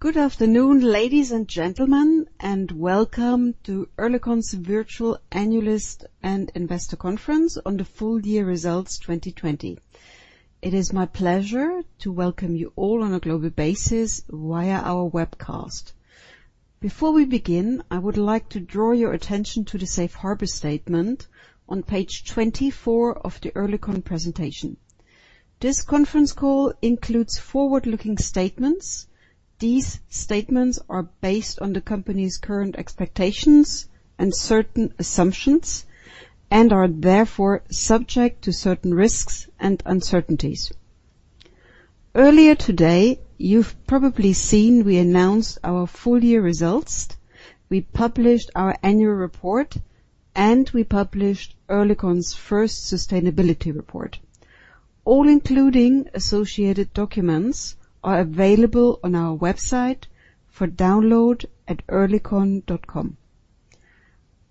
Gooed afternoon, ladies and gentlemen, and welcome to Oerlikon's virtual Annual and Investor Conference on the full year results 2020. It is my pleasure to welcome you all on a global basis via our webcast. Before we begin, I would like to draw your attention to the Safe Harbor statement on page 24 of the Oerlikon presentation. This conference call includes forward-looking statements. These statements are based on the company's current expectations and certain assumptions, and are therefore subject to certain risks and uncertainties. Earlier today, you've probably seen we announced our full year results, we published our annual report, and we published Oerlikon's first sustainability report. All including associated documents are available on our website for download at oerlikon.com.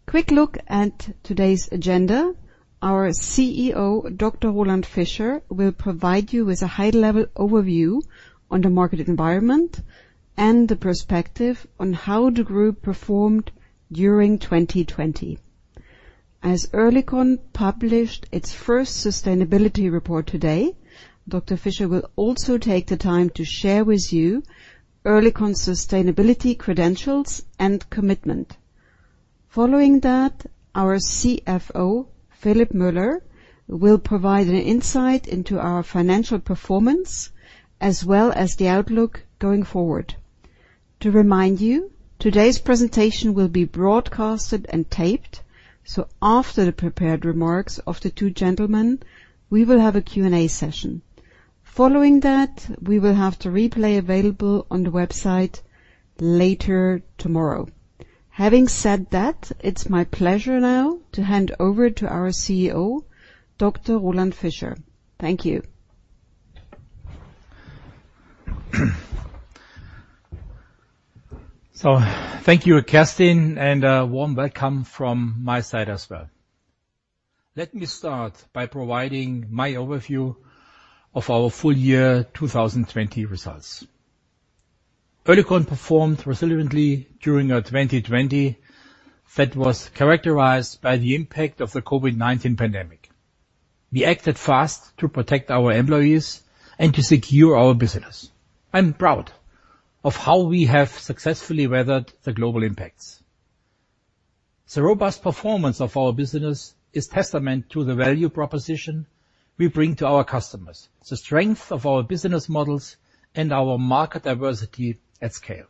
Quick look at today's agenda. Our CEO, Dr. Roland Fischer, will provide you with a high-level overview on the market environment and the perspective on how the group performed during 2020. As Oerlikon published its first sustainability report today, Dr. Fischer will also take the time to share with you Oerlikon sustainability credentials and commitment. Following that, our CFO, Philipp Müller, will provide an insight into our financial performance, as well as the outlook going forward. To remind you, today's presentation will be broadcasted and taped. After the prepared remarks of the two gentlemen, we will have a Q&A session. Following that, we will have the replay available on the website later tomorrow. Having said that, it is my pleasure now to hand over to our CEO, Dr. Roland Fischer. Thank you. Thank you, Kerstin, and a warm welcome from my side as well. Let me start by providing my overview of our full year 2020 results. Oerlikon performed resiliently during our 2020 that was characterized by the impact of the COVID-19 pandemic. We acted fast to protect our employees and to secure our business. I'm proud of how we have successfully weathered the global impacts. The robust performance of our business is testament to the value proposition we bring to our customers, the strength of our business models, and our market diversity at scale.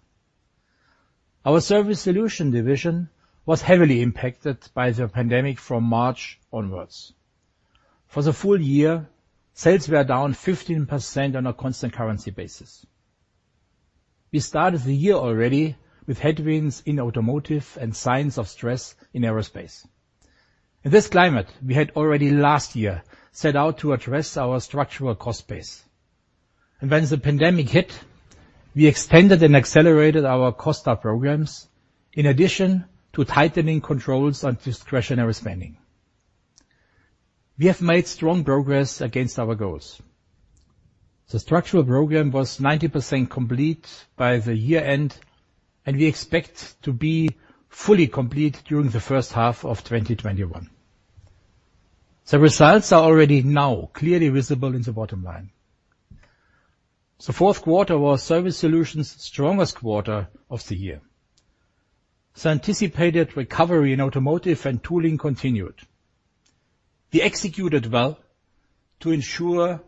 Our Surface Solutions division was heavily impacted by the pandemic from March onwards. For the full year, sales were down 15% on a constant currency basis. We started the year already with headwinds in automotive and signs of stress in aerospace. In this climate, we had already last year set out to address our structural cost base. When the pandemic hit, we extended and accelerated our cost-out programs, in addition to tightening controls on discretionary spending. We have made strong progress against our goals. The structural program was 90% complete by the year-end, and we expect to be fully complete during the first half of 2021. The results are already now clearly visible in the bottom line. The fourth quarter was Surface Solutions strongest quarter of the year. The anticipated recovery in automotive and tooling continued. We executed well to ensure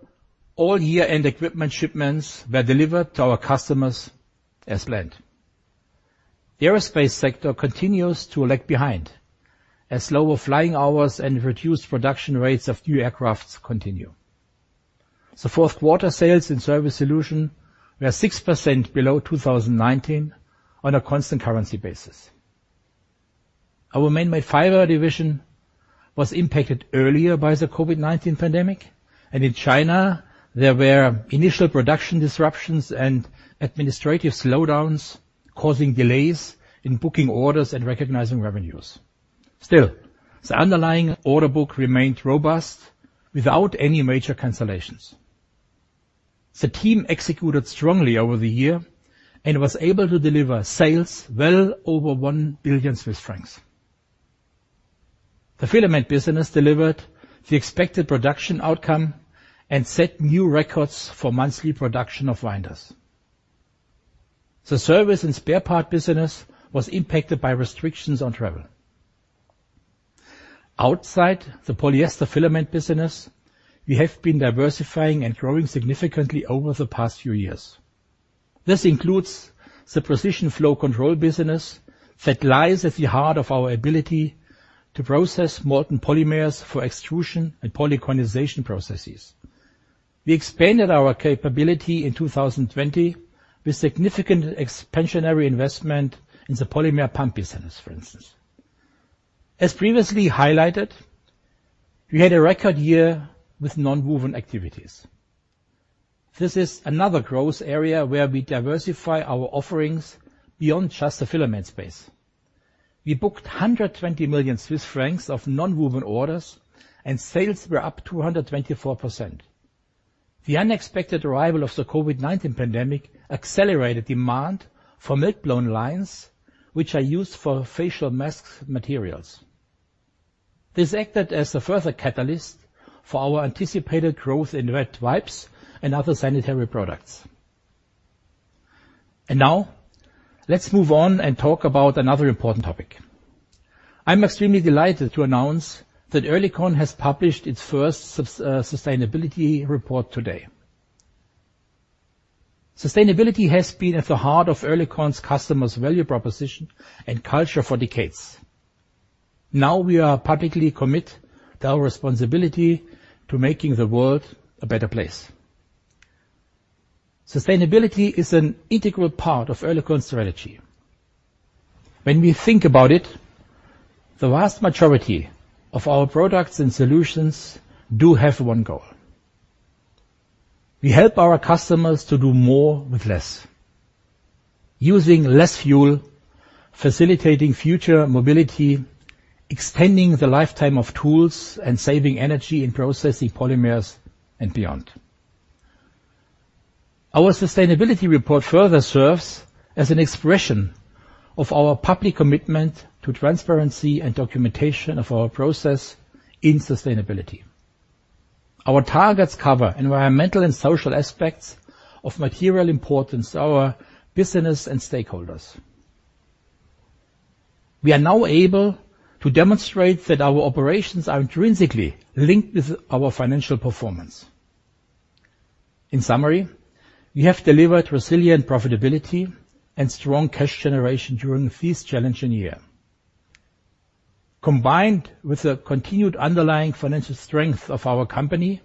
all year-end equipment shipments were delivered to our customers as planned. The aerospace sector continues to lag behind as lower flying hours and reduced production rates of new aircraft continue. Fourth quarter sales and Surface Solutions were 6% below 2019 on a constant currency basis. Our Manmade Fibers division was impacted earlier by the COVID-19 pandemic. In China, there were initial production disruptions and administrative slowdowns causing delays in booking orders and recognizing revenues. The underlying order book remained robust without any major cancellations. The team executed strongly over the year and was able to deliver sales well over 1 billion Swiss francs. The filament business delivered the expected production outcome and set new records for monthly production of winders. The service and spare part business was impacted by restrictions on travel. Outside the polyester filament business, we have been diversifying and growing significantly over the past few years. This includes the precision flow control business that lies at the heart of our ability to process molten polymers for extrusion and polycondensation processes. We expanded our capability in 2020 with significant expansionary investment in the polymer pump business, for instance. As previously highlighted, we had a record year with nonwoven activities. This is another growth area where we diversify our offerings beyond just the filament space. We booked 120 million Swiss francs of nonwoven orders, and sales were up 224%. The unexpected arrival of the COVID-19 pandemic accelerated demand for melt-blown lines, which are used for facial masks materials. This acted as a further catalyst for our anticipated growth in wet wipes and other sanitary products. Now let's move on and talk about another important topic. I'm extremely delighted to announce that Oerlikon has published its first sustainability report today. Sustainability has been at the heart of Oerlikon's customers' value proposition and culture for decades. Now we are publicly commit our responsibility to making the world a better place. Sustainability is an integral part of Oerlikon's strategy. When we think about it, the vast majority of our products and solutions do have one goal. We help our customers to do more with less, using less fuel, facilitating future mobility, extending the lifetime of tools, and saving energy in processing polymers and beyond. Our sustainability report further serves as an expression of our public commitment to transparency and documentation of our process in sustainability. Our targets cover environmental and social aspects of material importance to our business and stakeholders. We are now able to demonstrate that our operations are intrinsically linked with our financial performance. In summary, we have delivered resilient profitability and strong cash generation during this challenging year. Combined with the continued underlying financial strength of our company,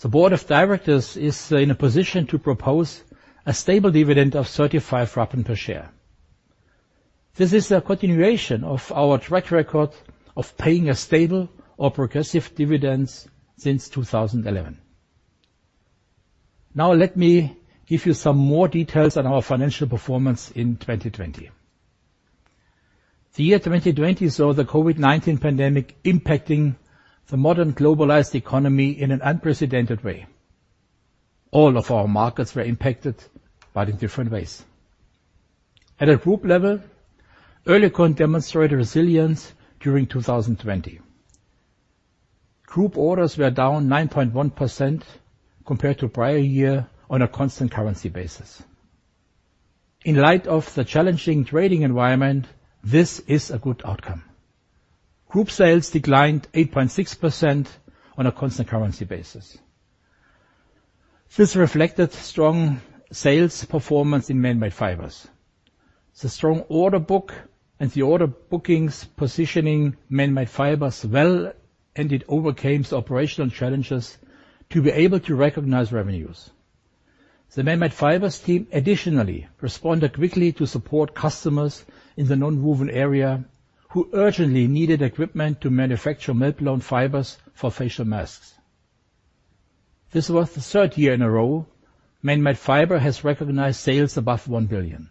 the board of directors is in a position to propose a stable dividend of CHF 0.35 per share. This is a continuation of our track record of paying a stable or progressive dividend since 2011. Let me give you some more details on our financial performance in 2020. The year 2020 saw the COVID-19 pandemic impacting the modern globalized economy in an unprecedented way. All of our markets were impacted, but in different ways. At a group level, Oerlikon demonstrated resilience during 2020. Group orders were down 9.1% compared to prior year on a constant currency basis. In light of the challenging trading environment, this is a good outcome. Group sales declined 8.6% on a constant currency basis. This reflected strong sales performance in Manmade Fibers, the strong order book and the order bookings positioning Manmade Fibers well, and it overcame the operational challenges to be able to recognize revenues. The Manmade Fibers team additionally responded quickly to support customers in the nonwoven area who urgently needed equipment to manufacture melt-blown fibers for facial masks. This was the third year in a row Manmade Fibers has recognized sales above 1 billion.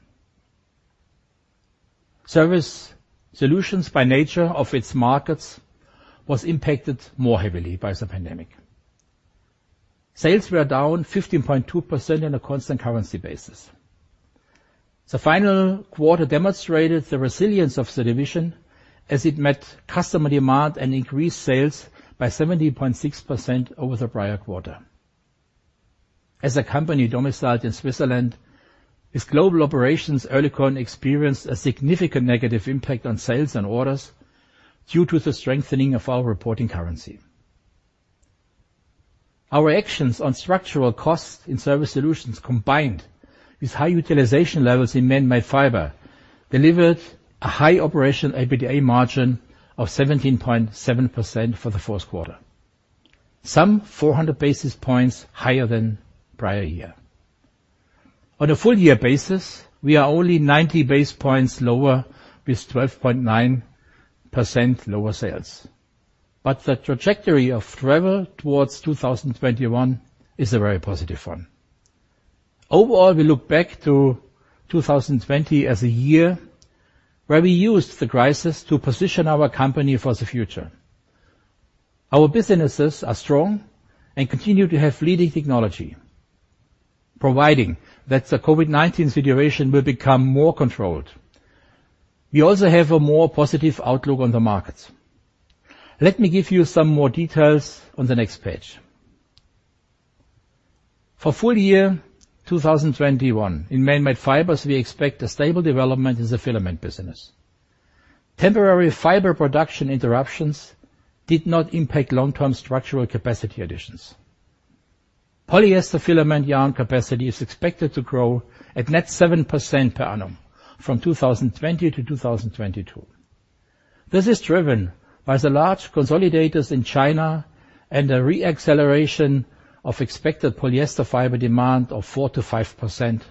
Surface Solutions, by nature of its markets, was impacted more heavily by the pandemic. Sales were down 15.2% on a constant currency basis. The final quarter demonstrated the resilience of the division as it met customer demand and increased sales by 17.6% over the prior quarter. As a company domiciled in Switzerland, with global operations, Oerlikon experienced a significant negative impact on sales and orders due to the strengthening of our reporting currency. Our actions on structural costs in Surface Solutions, combined with high utilization levels in Manmade Fibers, delivered a high operational EBITDA margin of 17.7% for the fourth quarter, some 400 basis points higher than prior year. On a full-year basis, we are only 90 basis points lower with 12.9% lower sales. The trajectory of travel towards 2021 is a very positive one. Overall, we look back to 2020 as a year where we used the crisis to position our company for the future. Our businesses are strong and continue to have leading technology, providing that the COVID-19 situation will become more controlled. We also have a more positive outlook on the markets. Let me give you some more details on the next page. For full-year 2021, in Manmade Fibers, we expect a stable development in the filament business. Temporary fiber production interruptions did not impact long-term structural capacity additions. Polyester filament yarn capacity is expected to grow at net 7% per annum from 2020 to 2022. This is driven by the large consolidators in China and a re-acceleration of expected polyester fiber demand of 4% to 5%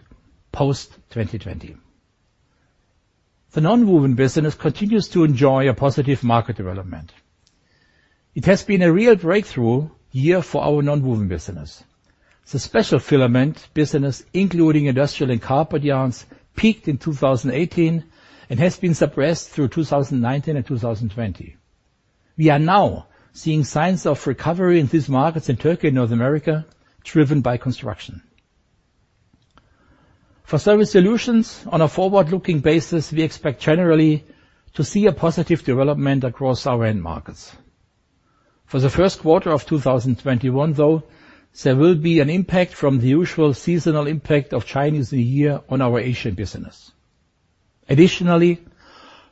post 2020. The nonwoven business continues to enjoy a positive market development. It has been a real breakthrough year for our nonwoven business. The special filament business, including industrial and carpet yarns, peaked in 2018 and has been suppressed through 2019 and 2020. We are now seeing signs of recovery in these markets in Turkey and North America, driven by construction. For Surface Solutions on a forward-looking basis, we expect generally to see a positive development across our end markets. For the first quarter of 2021, though, there will be an impact from the usual seasonal impact of Chinese New Year on our Asian business. Additionally,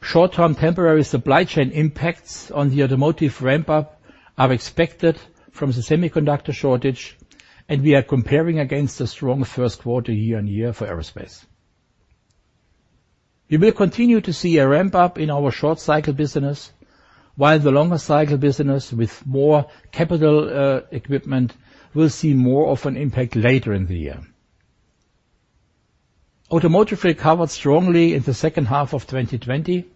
short-term temporary supply chain impacts on the automotive ramp-up are expected from the semiconductor shortage. We are comparing against a strong first quarter year-on-year for aerospace. We will continue to see a ramp-up in our short-cycle business, while the longer-cycle business with more capital equipment will see more of an impact later in the year. Automotive recovered strongly in the second half of 2020.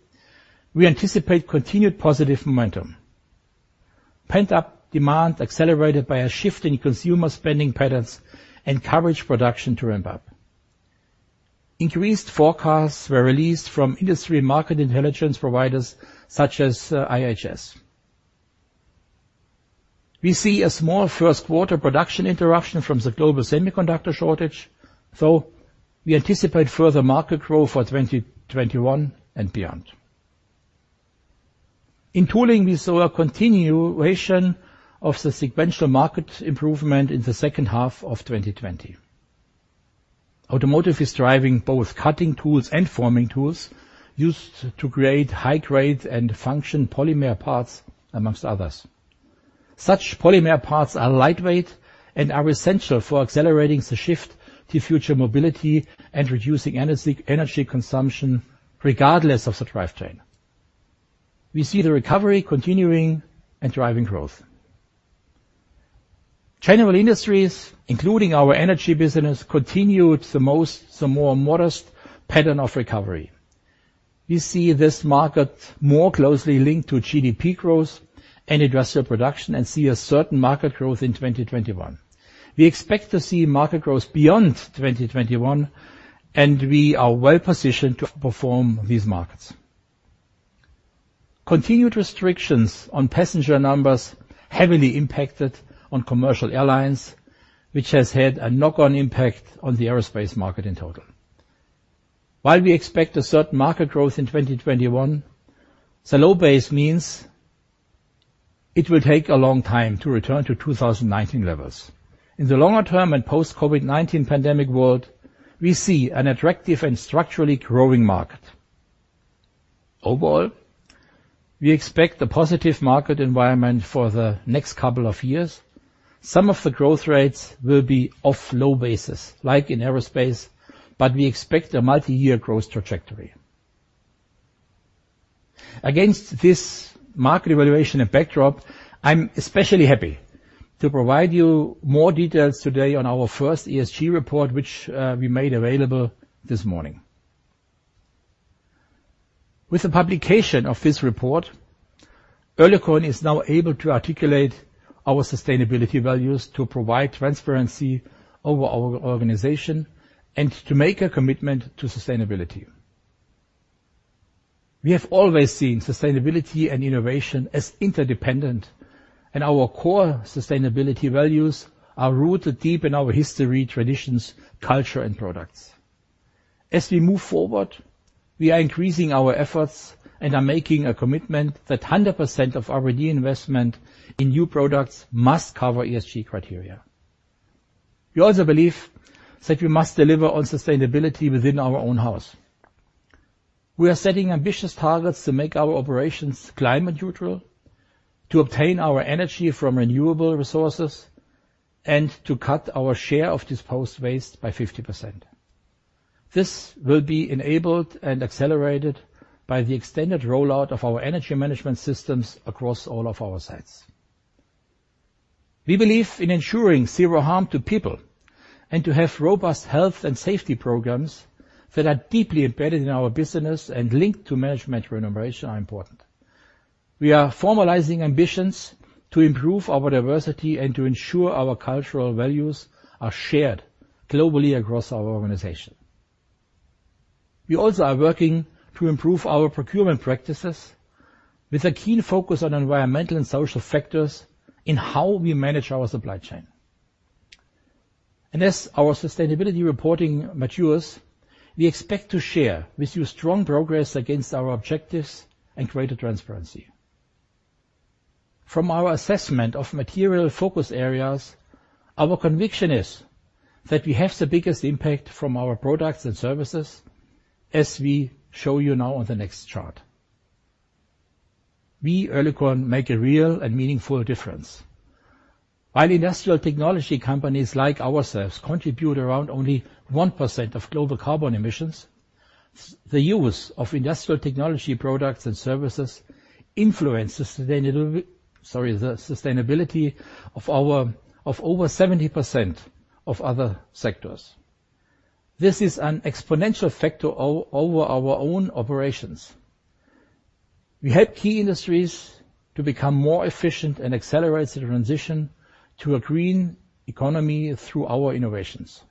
We anticipate continued positive momentum. Pent-up demand accelerated by a shift in consumer spending patterns encouraged production to ramp up. Increased forecasts were released from industry market intelligence providers such as IHS. We see a small first-quarter production interruption from the global semiconductor shortage. We anticipate further market growth for 2021 and beyond. In tooling, we saw a continuation of the sequential market improvement in the second half of 2020. Automotive is driving both cutting tools and forming tools used to create high-grade and function polymer parts, amongst others. Such polymer parts are lightweight and are essential for accelerating the shift to future mobility and reducing energy consumption regardless of the drivetrain. We see the recovery continuing and driving growth. General Industries, including our energy business, continued the more modest pattern of recovery. We see this market more closely linked to GDP growth and industrial production and see a certain market growth in 2021. We expect to see market growth beyond 2021, and we are well-positioned to outperform these markets. Continued restrictions on passenger numbers heavily impacted on commercial airlines, which has had a knock-on impact on the aerospace market in total. While we expect a certain market growth in 2021, the low base means it will take a long time to return to 2019 levels. In the longer term and post-COVID-19 pandemic world, we see an attractive and structurally growing market. Overall, we expect a positive market environment for the next couple of years. Some of the growth rates will be off low bases, like in aerospace, but we expect a multi-year growth trajectory. Against this market evaluation and backdrop, I'm especially happy to provide you more details today on our first ESG report, which we made available this morning. With the publication of this report, Oerlikon is now able to articulate our sustainability values to provide transparency over our organization and to make a commitment to sustainability. We have always seen sustainability and innovation as interdependent, and our core sustainability values are rooted deep in our history, traditions, culture, and products. As we move forward, we are increasing our efforts and are making a commitment that 100% of R&D investment in new products must cover ESG criteria. We also believe that we must deliver on sustainability within our own house. We are setting ambitious targets to make our operations climate neutral, to obtain our energy from renewable resources, and to cut our share of disposed waste by 50%. This will be enabled and accelerated by the extended rollout of our energy management systems across all of our sites. We believe in ensuring zero harm to people and to have robust health and safety programs that are deeply embedded in our business and linked to management remuneration are important. We are formalizing ambitions to improve our diversity and to ensure our cultural values are shared globally across our organization. We also are working to improve our procurement practices with a keen focus on environmental and social factors in how we manage our supply chain. As our sustainability reporting matures, we expect to share with you strong progress against our objectives and greater transparency. From our assessment of material focus areas, our conviction is that we have the biggest impact from our products and services, as we show you now on the next chart. We, OC Oerlikon, make a real and meaningful difference. While industrial technology companies like ourselves contribute around only 1% of global carbon emissions, the use of industrial technology products and services influence the sustainability of over 70% of other sectors. This is an exponential factor over our own operations. We help key industries to become more efficient and accelerate the transition to a green economy through our innovations.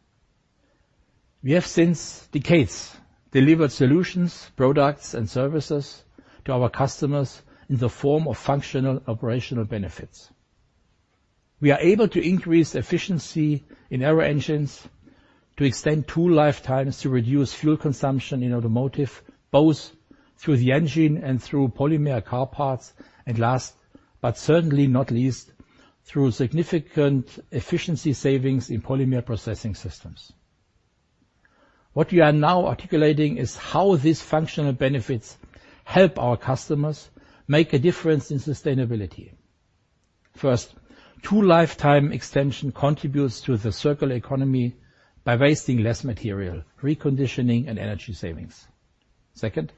We have, since decades, delivered solutions, products, and services to our customers in the form of functional operational benefits. We are able to increase efficiency in aero engines, to extend tool lifetimes, to reduce fuel consumption in automotive, both through the engine and through polymer car parts, and last, but certainly not least, through significant efficiency savings in polymer processing systems. What we are now articulating is how these functional benefits help our customers make a difference in sustainability. First, tool lifetime extension contributes to the circular economy by wasting less material, reconditioning, and energy savings. Second,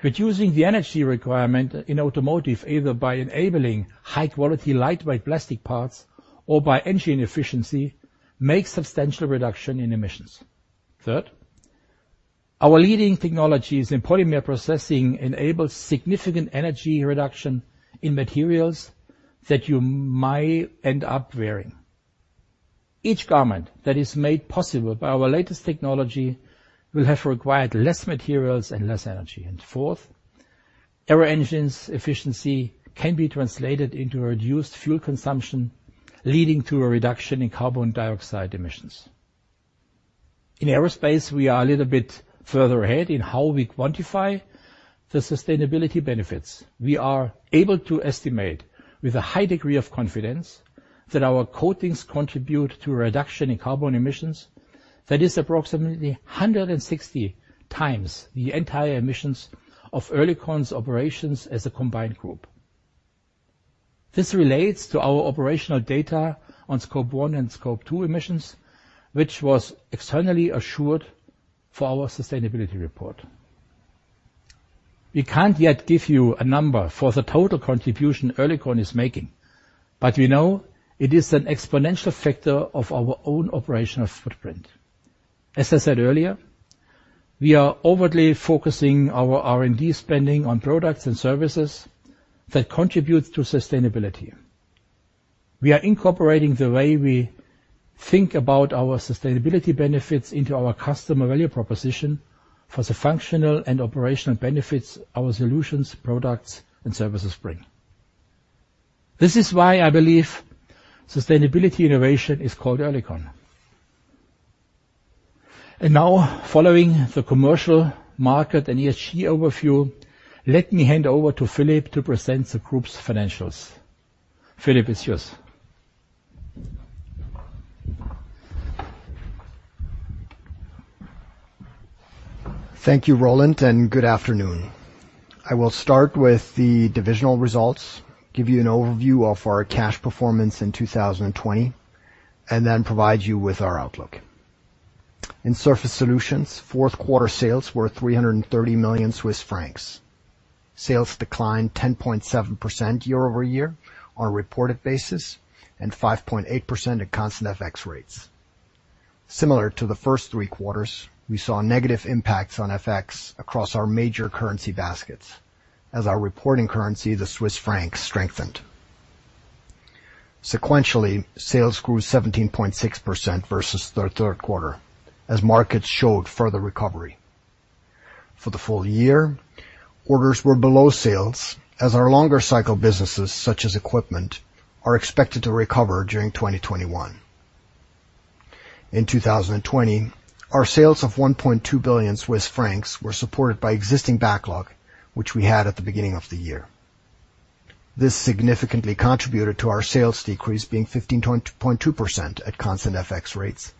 reducing the energy requirement in automotive, either by enabling high-quality, lightweight plastic parts or by engine efficiency, makes substantial reduction in emissions. Third, our leading technologies in polymer processing enable significant energy reduction in materials that you might end up wearing. Each garment that is made possible by our latest technology will have required less materials and less energy. Fourth, aero engines efficiency can be translated into reduced fuel consumption, leading to a reduction in carbon dioxide emissions. In aerospace, we are a little bit further ahead in how we quantify the sustainability benefits. We are able to estimate with a high degree of confidence that our coatings contribute to a reduction in carbon emissions that is approximately 160 times the entire emissions of Oerlikon's operations as a combined group. This relates to our operational data on Scope 1 and Scope 2 emissions, which was externally assured for our sustainability report. We can't yet give you a number for the total contribution Oerlikon is making, but we know it is an exponential factor of our own operational footprint. As I said earlier, we are overtly focusing our R&D spending on products and services that contribute to sustainability. We are incorporating the way we think about our sustainability benefits into our customer value proposition for the functional and operational benefits our solutions, products, and services bring. This is why I believe sustainability innovation is called Oerlikon. Now, following the commercial market and ESG overview, let me hand over to Philipp to present the group's financials. Philipp, it's yours. Thank you, Roland, and good afternoon. I will start with the divisional results, give you an overview of our cash performance in 2020, and then provide you with our outlook. In Surface Solutions, fourth quarter sales were 330 million Swiss francs. Sales declined 10.7% year-over-year on a reported basis and 5.8% at constant FX rates. Similar to the first three quarters, we saw negative impacts on FX across our major currency baskets as our reporting currency, the Swiss franc, strengthened. Sequentially, sales grew 17.6% versus the third quarter as markets showed further recovery. For the full year, orders were below sales, as our longer cycle businesses, such as equipment, are expected to recover during 2021. In 2020, our sales of 1.2 billion Swiss francs were supported by existing backlog, which we had at the beginning of the year. This significantly contributed to our sales decrease being 15.2% at constant FX rates,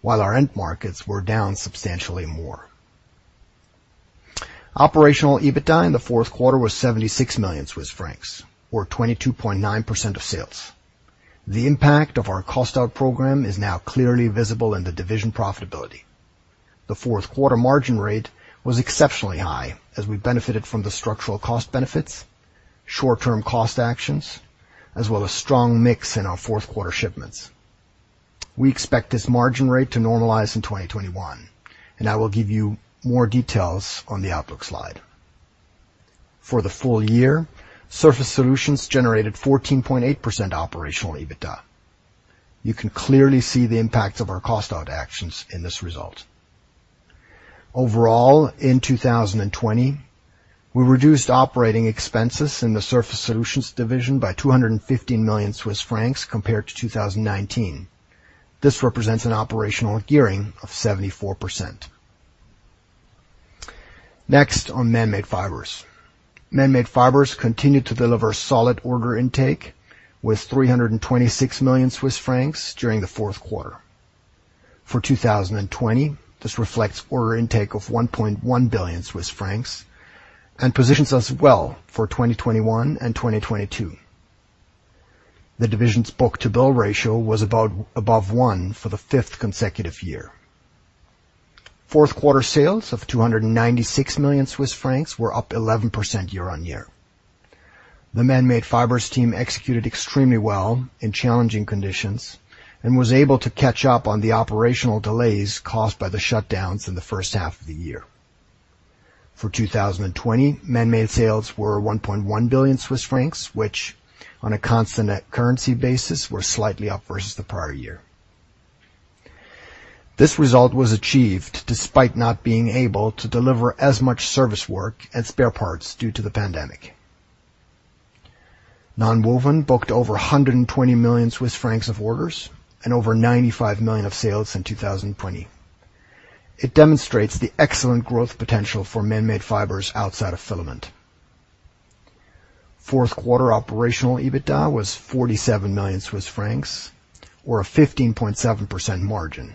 while our end markets were down substantially more. Operational EBITDA in the fourth quarter was 76 million Swiss francs, or 22.9% of sales. The impact of our cost-out program is now clearly visible in the division profitability. The fourth quarter margin rate was exceptionally high as we benefited from the structural cost benefits, short-term cost actions, as well as strong mix in our fourth-quarter shipments. We expect this margin rate to normalize in 2021, and I will give you more details on the outlook slide. For the full year, Surface Solutions generated 14.8% operational EBITDA. You can clearly see the impact of our cost-out actions in this result. Overall, in 2020, we reduced operating expenses in the Surface Solutions division by 215 million Swiss francs compared to 2019. This represents an operational gearing of 74%. Next, on Manmade Fibers. Manmade Fibers continued to deliver solid order intake with 326 million Swiss francs during the fourth quarter. For 2020, this reflects order intake of 1.1 billion Swiss francs and positions us well for 2021 and 2022. The division's book-to-bill ratio was above one for the fifth consecutive year. Fourth-quarter sales of 296 million Swiss francs were up 11% year-on-year. The Manmade Fibers team executed extremely well in challenging conditions and was able to catch up on the operational delays caused by the shutdowns in the first half of the year. For 2020, Manmade sales were 1.1 billion Swiss francs, which, on a constant currency basis, were slightly up versus the prior year. This result was achieved despite not being able to deliver as much service work and spare parts due to the pandemic. Nonwoven booked over 120 million Swiss francs of orders and over 95 million of sales in 2020. It demonstrates the excellent growth potential for Manmade Fibers outside of filament. fourth quarter operational EBITDA was 47 million Swiss francs, or a 15.7% margin.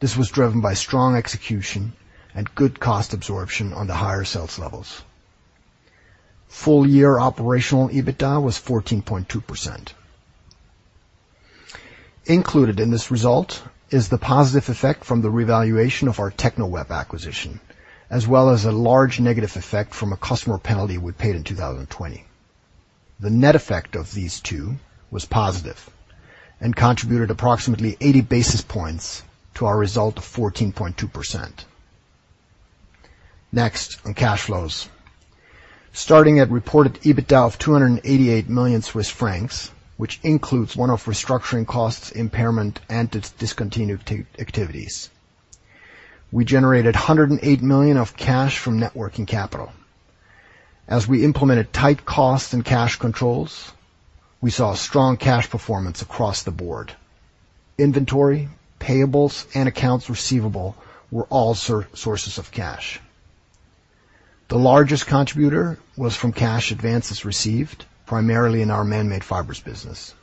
This was driven by strong execution and good cost absorption on the higher sales levels. Full-year operational EBITDA was 14.2%. Included in this result is the positive effect from the revaluation of our Teknoweb acquisition, as well as a large negative effect from a customer penalty we paid in 2020. The net effect of these two was positive and contributed approximately 80 basis points to our result of 14.2%. On cash flows. Starting at reported EBITDA of 288 million Swiss francs, which includes one-off restructuring costs, impairment, and discontinued activities, we generated 108 million of cash from net working capital. As we implemented tight cost and cash controls, we saw strong cash performance across the board. Inventory, payables, and accounts receivable were all sources of cash. The largest contributor was from cash advances received, primarily in our Manmade Fibers business.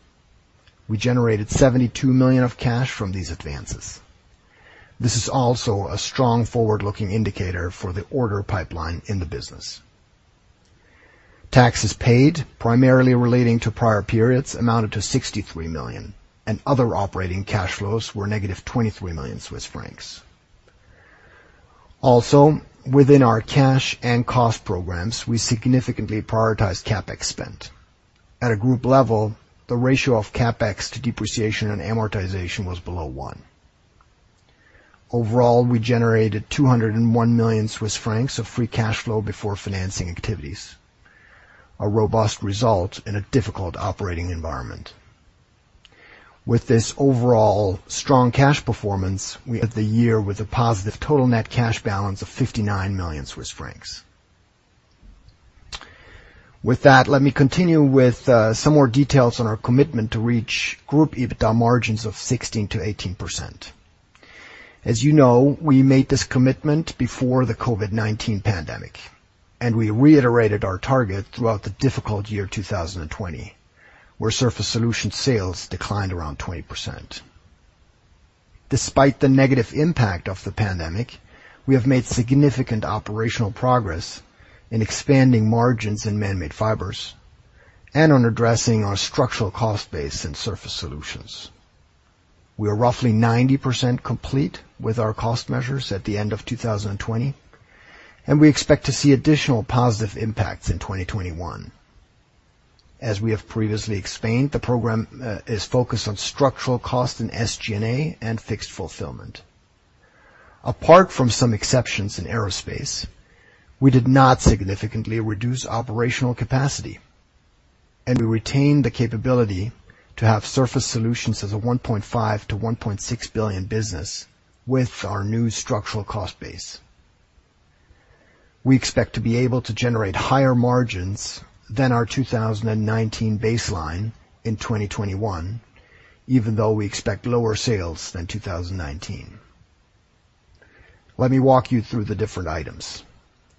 We generated 72 million of cash from these advances. This is also a strong forward-looking indicator for the order pipeline in the business. Taxes paid, primarily relating to prior periods, amounted to 63 million, and other operating cash flows were negative 23 million Swiss francs. Within our cash and cost programs, we significantly prioritized CapEx spend. At a group level, the ratio of CapEx to depreciation and amortization was below one. We generated 201 million Swiss francs of free cash flow before financing activities, a robust result in a difficult operating environment. With this overall strong cash performance, we end the year with a positive total net cash balance of 59 million Swiss francs. With that, let me continue with some more details on our commitment to reach group EBITDA margins of 16%-18%. As you know, we made this commitment before the COVID-19 pandemic, and we reiterated our target throughout the difficult year 2020, where Surface Solutions sales declined around 20%. Despite the negative impact of the pandemic, we have made significant operational progress in expanding margins in Manmade Fibers and on addressing our structural cost base in Surface Solutions. We are roughly 90% complete with our cost measures at the end of 2020, and we expect to see additional positive impacts in 2021. As we have previously explained, the program is focused on structural cost and SG&A and fixed fulfillment. Apart from some exceptions in aerospace, we did not significantly reduce operational capacity, and we retained the capability to have Surface Solutions as a 1.5 billion-1.6 billion business with our new structural cost base. We expect to be able to generate higher margins than our 2019 baseline in 2021, even though we expect lower sales than 2019. Let me walk you through the different items.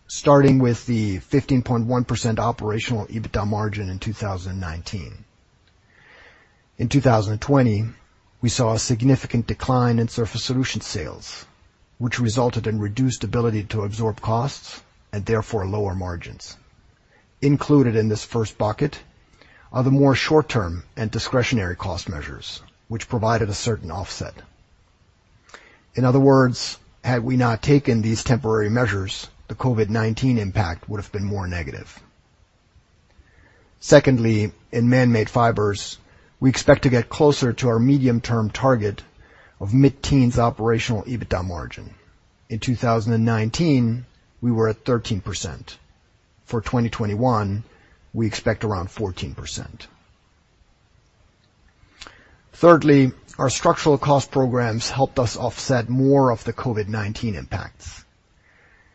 Starting with the 15.1% operational EBITDA margin in 2019. In 2020, we saw a significant decline in Surface Solutions sales, which resulted in reduced ability to absorb costs and therefore lower margins. Included in this first bucket are the more short-term and discretionary cost measures, which provided a certain offset. In other words, had we not taken these temporary measures, the COVID-19 impact would have been more negative. Secondly, in Manmade Fibers, we expect to get closer to our medium-term target of mid-teens operational EBITDA margin. In 2019, we were at 13%. For 2021, we expect around 14%. Thirdly, our structural cost programs helped us offset more of the COVID-19 impacts.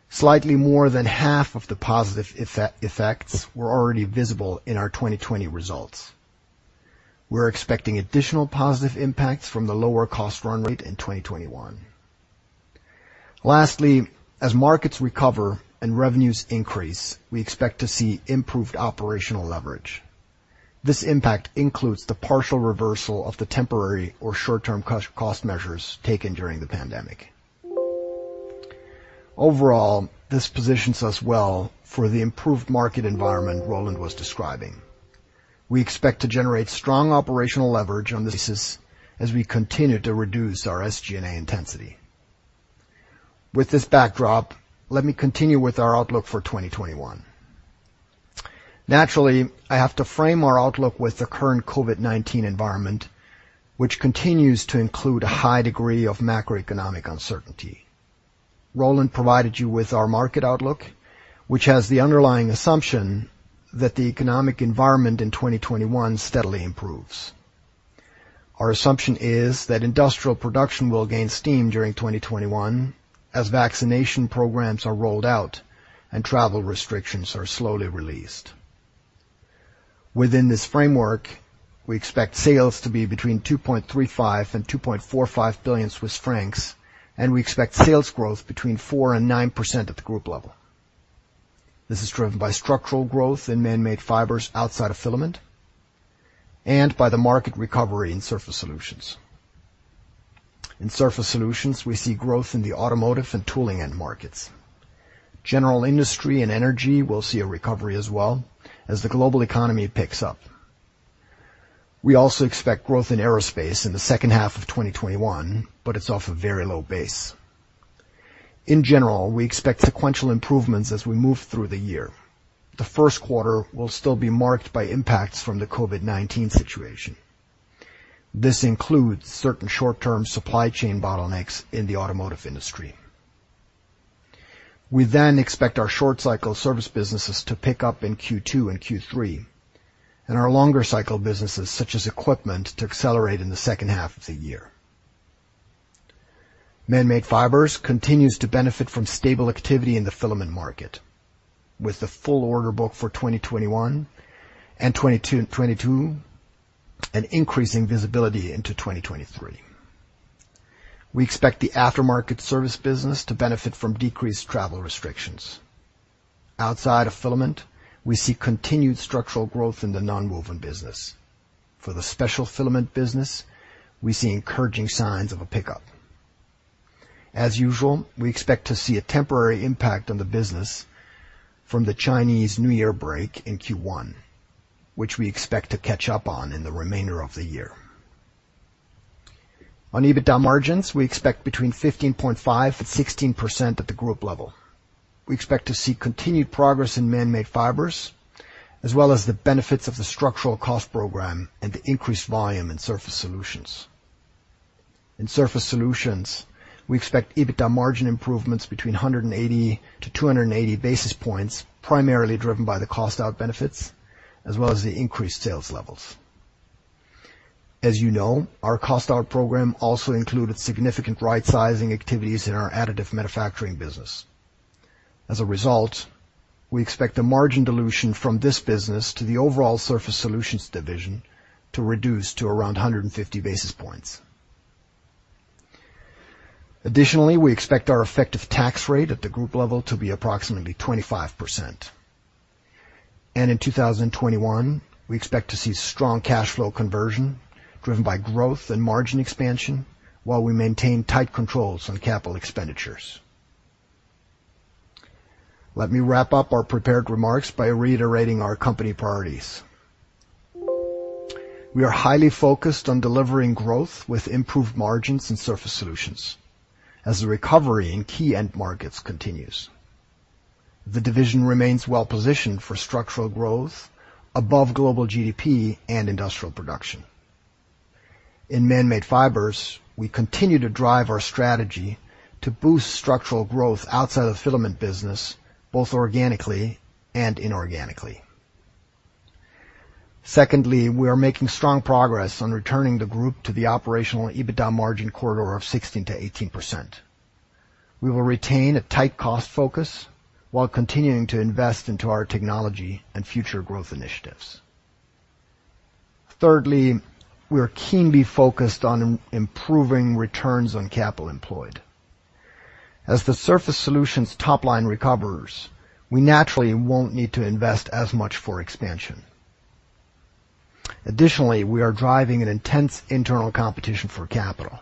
Slightly more than half of the positive effects were already visible in our 2020 results. We're expecting additional positive impacts from the lower cost run rate in 2021. Lastly, as markets recover and revenues increase, we expect to see improved operational leverage. This impact includes the partial reversal of the temporary or short-term cost measures taken during the pandemic. Overall, this positions us well for the improved market environment Roland was describing. We expect to generate strong operational leverage on this as we continue to reduce our SG&A intensity. With this backdrop, let me continue with our outlook for 2021. Naturally, I have to frame our outlook with the current COVID-19 environment, which continues to include a high degree of macroeconomic uncertainty. Roland provided you with our market outlook, which has the underlying assumption that the economic environment in 2021 steadily improves. Our assumption is that industrial production will gain steam during 2021 as vaccination programs are rolled out and travel restrictions are slowly released. Within this framework, we expect sales to be between 2.35 billion and 2.45 billion Swiss francs, and we expect sales growth between 4% and 9% at the group level. This is driven by structural growth in Manmade Fibers outside of filament and by the market recovery in Surface Solutions. In Surface Solutions, we see growth in the automotive and tooling end markets. General industry and energy will see a recovery as well as the global economy picks up. We also expect growth in aerospace in the second half of 2021, it's off a very low base. In general, we expect sequential improvements as we move through the year. The first quarter will still be marked by impacts from the COVID-19 situation. This includes certain short-term supply chain bottlenecks in the automotive industry. We expect our short-cycle service businesses to pick up in Q2 and Q3, and our longer-cycle businesses, such as equipment, to accelerate in the second half of the year. Manmade Fibers continues to benefit from stable activity in the filament market with a full order book for 2021 and 2022, and increasing visibility into 2023. We expect the aftermarket service business to benefit from decreased travel restrictions. Outside of filament, we see continued structural growth in the nonwoven business. For the special filament business, we see encouraging signs of a pickup. As usual, we expect to see a temporary impact on the business from the Chinese New Year break in Q1, which we expect to catch up on in the remainder of the year. On EBITDA margins, we expect between 15.5% and 16% at the group level. We expect to see continued progress in Manmade Fibers, as well as the benefits of the structural cost program and the increased volume in Surface Solutions. In Surface Solutions, we expect EBITDA margin improvements between 180 basis points-280 basis points, primarily driven by the cost-out benefits as well as the increased sales levels. As you know, our cost-out program also included significant right-sizing activities in our additive manufacturing business. As a result, we expect the margin dilution from this business to the overall Surface Solutions division to reduce to around 150 basis points. Additionally, we expect our effective tax rate at the group level to be approximately 25%. In 2021, we expect to see strong cash flow conversion driven by growth and margin expansion while we maintain tight controls on capital expenditures. Let me wrap up our prepared remarks by reiterating our company priorities. We are highly focused on delivering growth with improved margins in Surface Solutions as the recovery in key end markets continues. The division remains well-positioned for structural growth above global GDP and industrial production. In Manmade Fibers, we continue to drive our strategy to boost structural growth outside of the filament business, both organically and inorganically. Secondly, we are making strong progress on returning the group to the operational EBITDA margin corridor of 16%-18%. We will retain a tight cost focus while continuing to invest into our technology and future growth initiatives. Thirdly, we are keenly focused on improving returns on capital employed. As the Surface Solutions top line recovers, we naturally won't need to invest as much for expansion. Additionally, we are driving an intense internal competition for capital.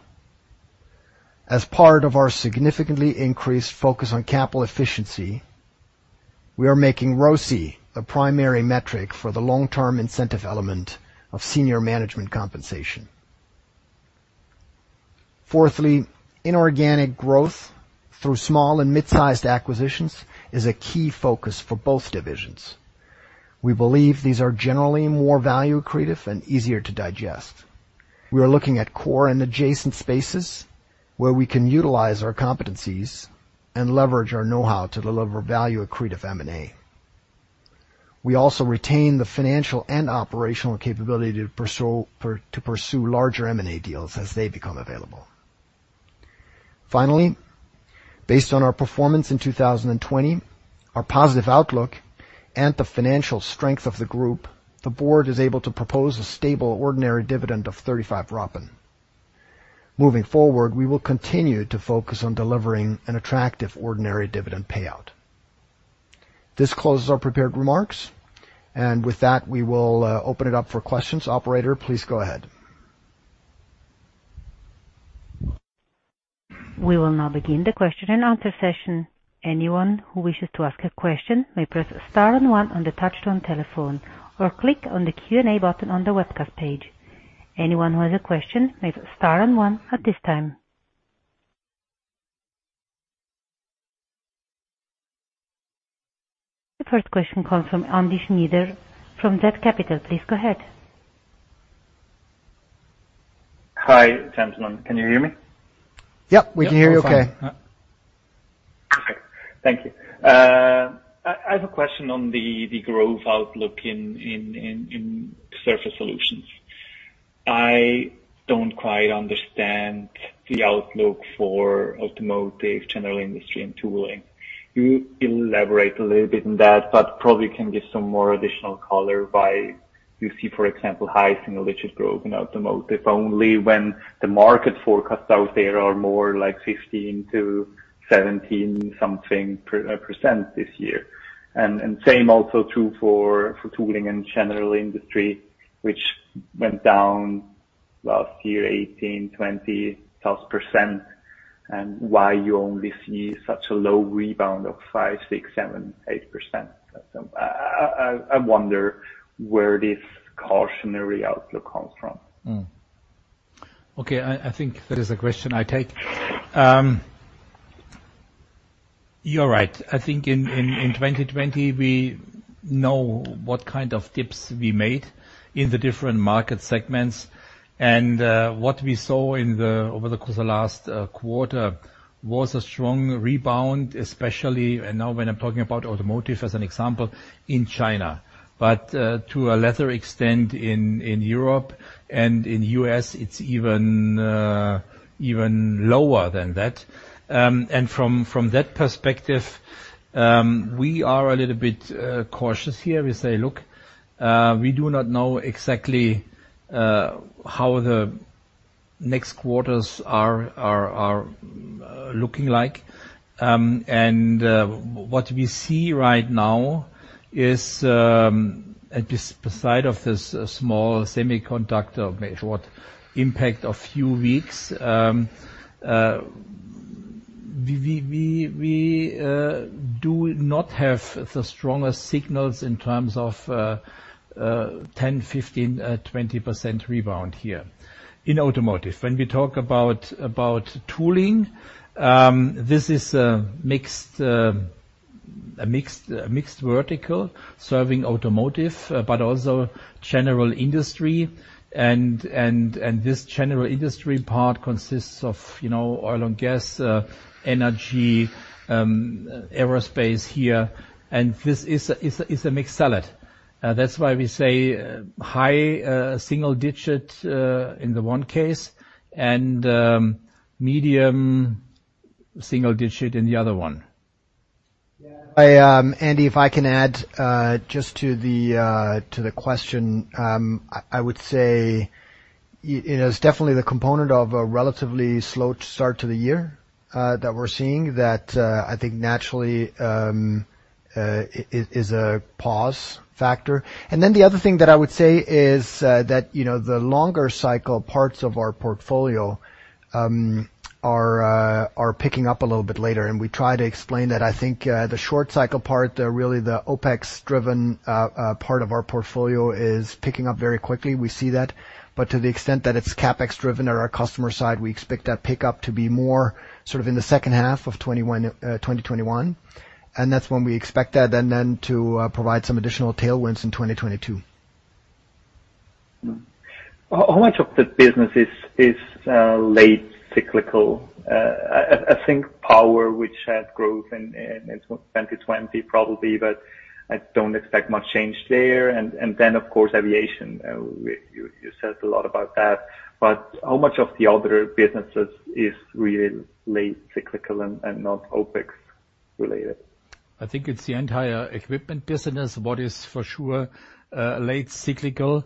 As part of our significantly increased focus on capital efficiency, we are making ROCE the primary metric for the long-term incentive element of senior management compensation. Fourthly, inorganic growth through small and mid-sized acquisitions is a key focus for both divisions. We believe these are generally more value accretive and easier to digest. We are looking at core and adjacent spaces where we can utilize our competencies and leverage our knowhow to deliver value-accretive M&A. We also retain the financial and operational capability to pursue larger M&A deals as they become available. Based on our performance in 2020, our positive outlook, and the financial strength of the group, the board is able to propose a stable ordinary dividend of 0.35. Moving forward, we will continue to focus on delivering an attractive ordinary dividend payout. This closes our prepared remarks. With that, we will open it up for questions. Operator, please go ahead. We will now begin the question and answer session. The first question comes from Andy Schnyder from zCapital. Please go ahead. Hi, gentlemen. Can you hear me? Yep, we can hear you okay. Perfect. Thank you. I have a question on the growth outlook in Surface Solutions. I don't quite understand the outlook for automotive, general industry, and tooling. You elaborate a little bit on that, but probably can give some more additional color why you see, for example, high single digit growth in automotive only when the market forecast out there are more like 15%-17% something percent this year. Same also true for tooling and general industry, which went down last year 18%, 20%+ percent. Why you only see such a low rebound of 5%, 6%, 7%, 8%. I wonder where this cautionary outlook comes from. Okay. I think that is a question I take. You're right. I think in 2020, we know what kind of dips we made in the different market segments. What we saw over the course of last quarter was a strong rebound, especially, and now when I'm talking about automotive as an example, in China. To a lesser extent in Europe and in U.S., it's even lower than that. From that perspective, we are a little bit cautious here. We say, look, we do not know exactly how the next quarters are looking like. What we see right now is, beside of this small semiconductor shortage what impacted a few weeks. We do not have the strongest signals in terms of 10%, 15%, 20% rebound here in automotive. When we talk about tooling, this is a mixed vertical serving automotive, but also general industry. This general industry part consists of oil and gas, energy, aerospace here. This is a mixed salad. That's why we say high single digit in the one case and medium single digit in the other one. Yeah. Andy, if I can add just to the question. I would say it's definitely the component of a relatively slow start to the year that we're seeing that I think naturally is a pause factor. The other thing that I would say is that the longer cycle parts of our portfolio are picking up a little bit later, and we try to explain that. I think the short cycle part, really the OpEx driven part of our portfolio is picking up very quickly. We see that. To the extent that it's CapEx driven at our customer side, we expect that pickup to be more sort of in the second half of 2021. That's when we expect that then to provide some additional tailwinds in 2022. How much of the business is late cyclical? I think power, which had growth in 2020 probably. I don't expect much change there. Of course, aviation, you said a lot about that. How much of the other businesses is really late cyclical and not OpEx related? I think it's the entire equipment business, what is for sure late cyclical.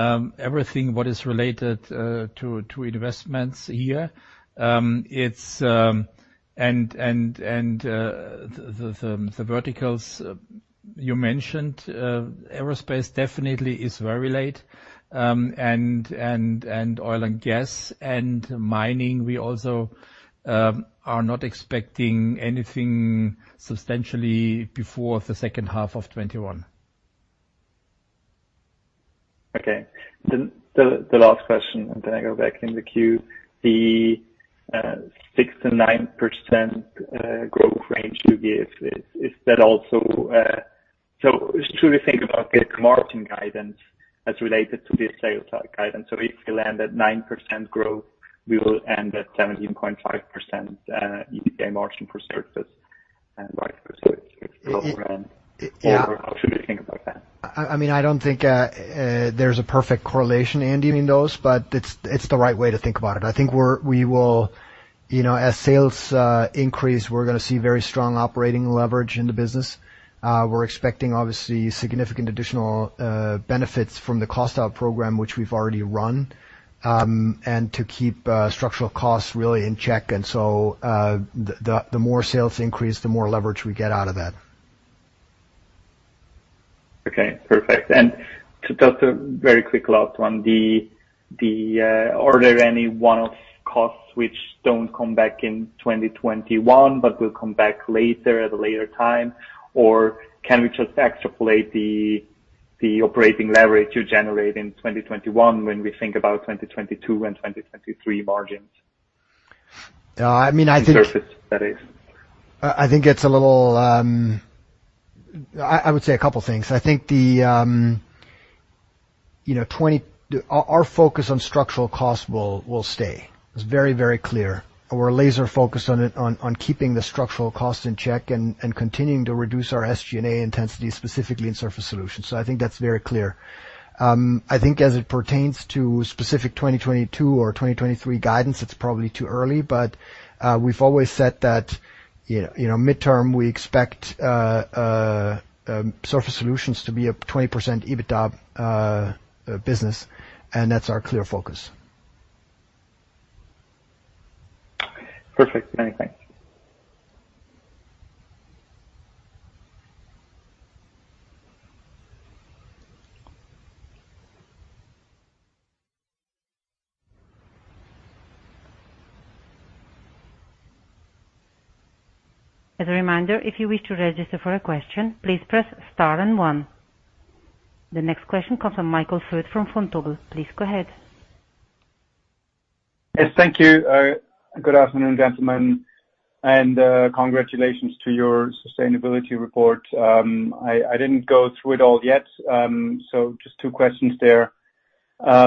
Everything what is related to investments here. The verticals you mentioned, aerospace definitely is very late. Oil and gas and mining, we also are not expecting anything substantially before the second half of 2021. Okay. The last question. I go back in the queue. The 6%-9% growth range you give, should we think about the margin guidance as related to the sales guidance? If we land at 9% growth, we will end at 17.5% EBITDA margin for Surface and vice versa if growth at the low end? How should we think about that? I don't think there's a perfect correlation, Andy, in those, but it's the right way to think about it. I think as sales increase, we're going to see very strong operating leverage in the business. We're expecting obviously significant additional benefits from the cost out program, which we've already run. To keep structural costs really in check. The more sales increase, the more leverage we get out of that. Okay, perfect. Just a very quick last one. Are there any one-off costs which don't come back in 2021 but will come back later at a later time? Can we just extrapolate the operating leverage you generate in 2021 when we think about 2022 and 2023 margins? I would say a couple of things. I think our focus on structural cost will stay. It's very clear. We're laser-focused on keeping the structural cost in check and continuing to reduce our SG&A intensity, specifically in Surface Solutions. I think that's very clear. I think as it pertains to specific 2022 or 2023 guidance, it's probably too early, but we've always said that mid-term, we expect Surface Solutions to be a 20% EBITDA business, and that's our clear focus. Perfect. Many thanks. As a reminder, if you wish to register for a question, please press star and one. The next question comes from Michael Foeth from Vontobel. Please go ahead. Yes, thank you. Good afternoon, gentlemen, and congratulations on your sustainability report. I didn't go through it all yet. Just two questions there. I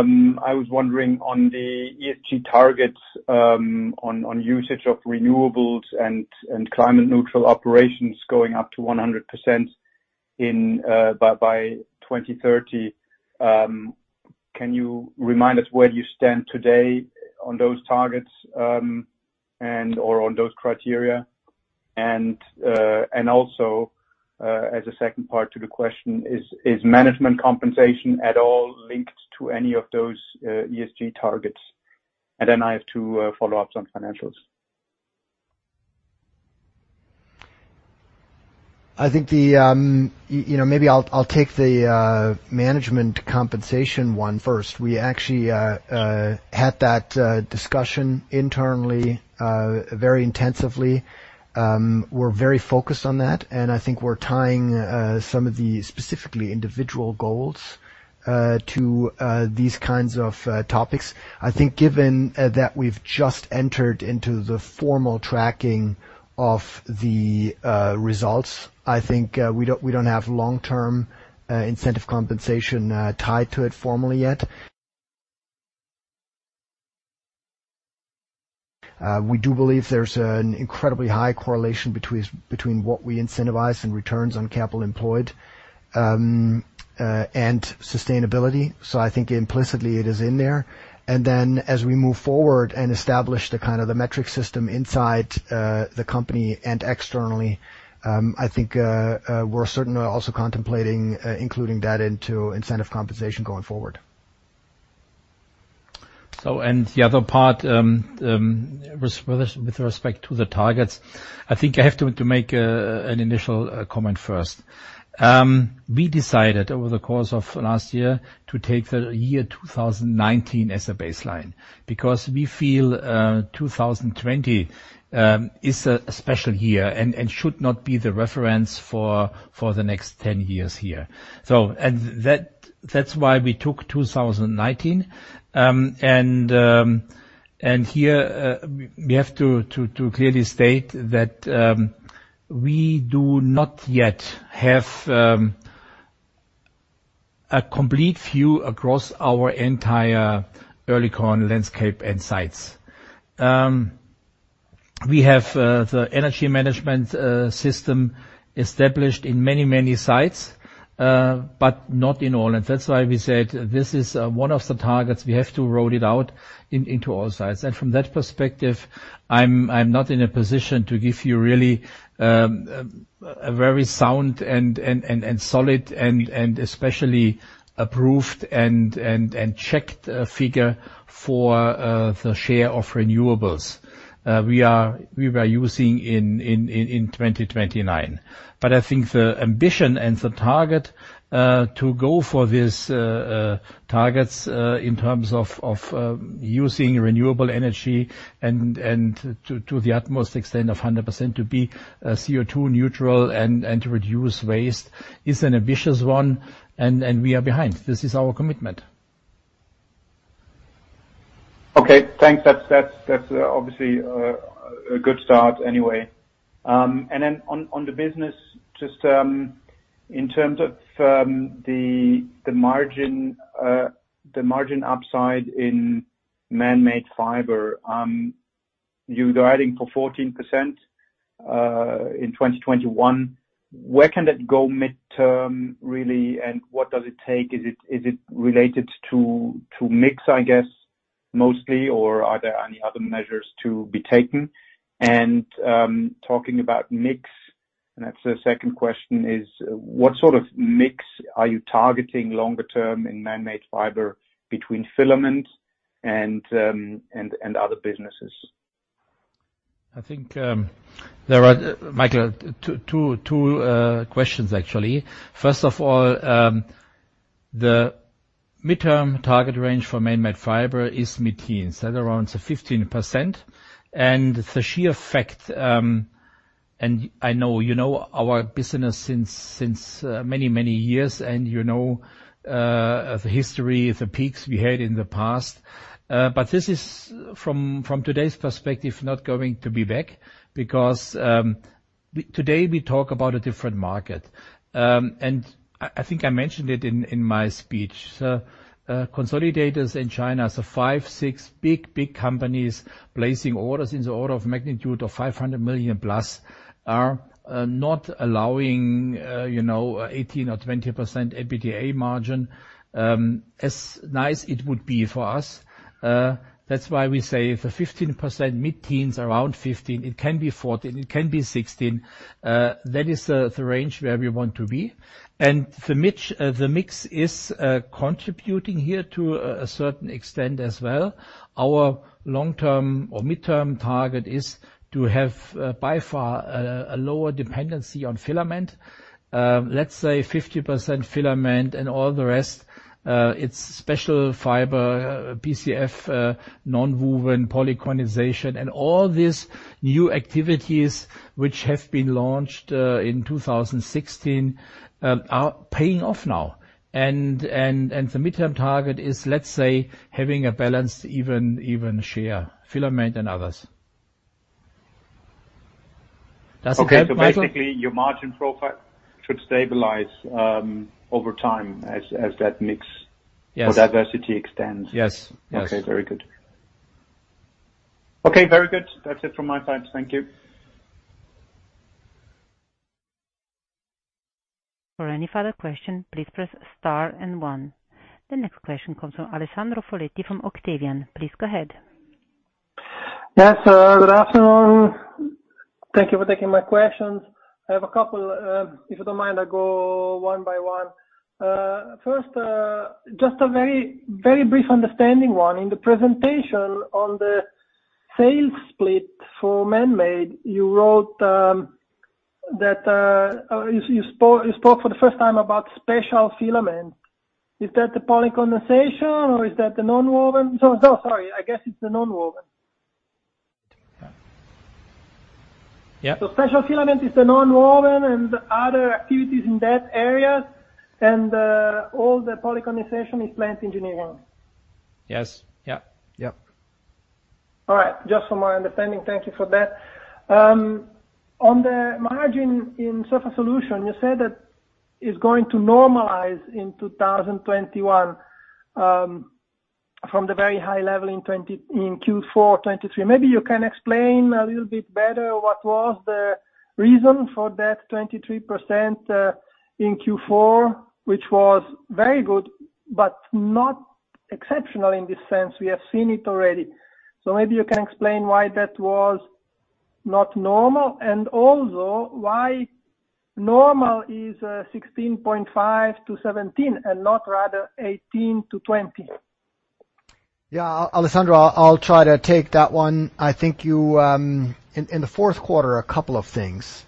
was wondering on the ESG targets on usage of renewables and climate neutral operations going up to 100% by 2030. Can you remind us where you stand today on those targets or on those criteria? Also, as a second part to the question, is management compensation at all linked to any of those ESG targets? Then I have two follow-ups on financials. Maybe I'll take the management compensation one first. We actually had that discussion internally very intensively. We're very focused on that. I think we're tying some of the specifically individual goals to these kinds of topics. I think given that we've just entered into the formal tracking of the results, I think we don't have long-term incentive compensation tied to it formally yet. We do believe there's an incredibly high correlation between what we incentivize in returns on capital employed and sustainability. I think implicitly it is in there. Then as we move forward and establish the metric system inside the company and externally, I think we're certainly also contemplating including that into incentive compensation going forward. The other part, with respect to the targets, I think I have to make an initial comment first. We decided over the course of last year to take the year 2019 as a baseline because we feel 2020 is a special year and should not be the reference for the next 10 years here. That's why we took 2019. Here, we have to clearly state that we do not yet have a complete view across our entire OC Oerlikon landscape and sites. We have the energy management system established in many sites, but not in all. That's why we said this is one of the targets. We have to roll it out into all sites. From that perspective, I'm not in a position to give you really a very sound and solid and especially approved and checked figure for the share of renewables we were using in 2019. I think the ambition and the target to go for these targets in terms of using renewable energy and to the utmost extent of 100%, to be CO2 neutral and to reduce waste is an ambitious one, and we are behind. This is our commitment. Okay, thanks. That's obviously a good start anyway. On the business, just in terms of the margin upside in Manmade Fibers, you were guiding for 14% in 2021. Where can that go mid-term, really, and what does it take? Is it related to mix, I guess, mostly, or are there any other measures to be taken? Talking about mix, and that's the second question, is what sort of mix are you targeting longer-term in Manmade Fibers between filament and other businesses? I think there are, Michael, two questions, actually. First of all, the mid-term target range for Manmade Fibers is mid-teens, that around 15%. I know you know our business since many, many years, and you know the history, the peaks we had in the past. This is, from today's perspective, not going to be back because today we talk about a different market. I think I mentioned it in my speech. Consolidators in China, so five, six big companies placing orders in the order of magnitude of 500 million plus, are not allowing 18% or 20% EBITDA margin, as nice it would be for us. That's why we say the 15%, mid-teens, around 15%, it can be 14%, it can be 16%. That is the range where we want to be. The mix is contributing here to a certain extent as well. Our long-term or mid-term target is to have, by far, a lower dependency on filament. Let's say 50% filament and all the rest, it's special fiber, BCF, nonwoven, polycondensation, and all these new activities which have been launched in 2016 are paying off now. The mid-term target is, let's say, having a balanced even share, filament and others. That's okay, Michael? Okay. basically, your margin profile should stabilize over time as that mix. Yes Diversity extends. Yes. Okay. Very good. Okay, very good. That's it from my side. Thank you. The next question comes from Alessandro Foletti from Octavian AG. Please go ahead. Yes. Good afternoon. Thank you for taking my questions. I have a couple. If you don't mind, I go one by one. First, just a very brief understanding one. In the presentation on the sales split for Manmade, you spoke for the first time about special filament. Is that the polycondensation or is that the nonwoven? Sorry, I guess it's the nonwoven. Yeah. Special filament is the nonwoven and other activities in that area, and all the polycondensation is plants engineering. Yes. All right. Just for my understanding. Thank you for that. On the margin in Surface Solutions, you said that it's going to normalize in 2021 from the very high level in Q4 2023. Maybe you can explain a little bit better what was the reason for that 23% in Q4, which was very good, but not exceptional in this sense. We have seen it already. Maybe you can explain why that was not normal, and also why normal is 16.5%-17% and not rather 18%-20%. Yeah. Alessandro, I'll try to take that one. I think in the fourth quarter, a couple of things.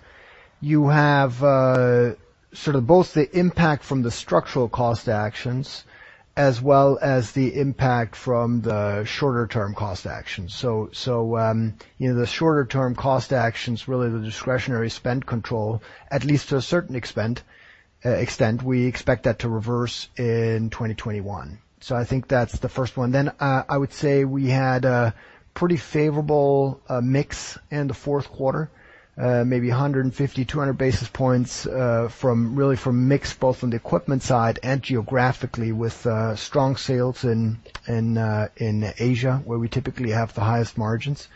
You have sort of both the impact from the structural cost actions as well as the impact from the shorter-term cost actions. The shorter-term cost actions, really the discretionary spend control, at least to a certain extent, we expect that to reverse in 2021. I think that's the first one. I would say we had a pretty favorable mix in the fourth quarter, maybe 150, 200 basis points really from mix both on the equipment side and geographically with strong sales in Asia, where we typically have the highest margins.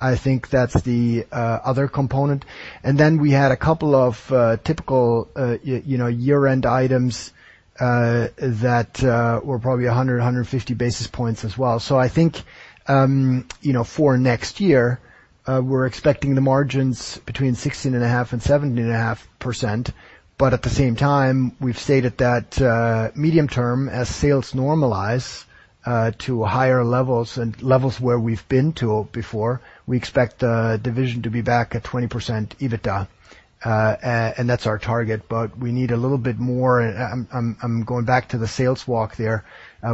I think that's the other component. We had a couple of typical year-end items that were probably 100, 150 basis points as well. I think for next year, we're expecting the margins between 16.5%-17.5%. At the same time, we've stated that medium term as sales normalize to higher levels and levels where we've been to before, we expect the division to be back at 20% EBITDA. That's our target, but we need a little bit more. I'm going back to the sales walk there.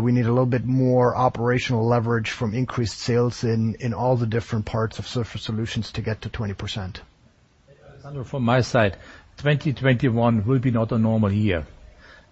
We need a little bit more operational leverage from increased sales in all the different parts of Surface Solutions to get to 20%. Alessandro, from my side, 2021 will be not a normal year.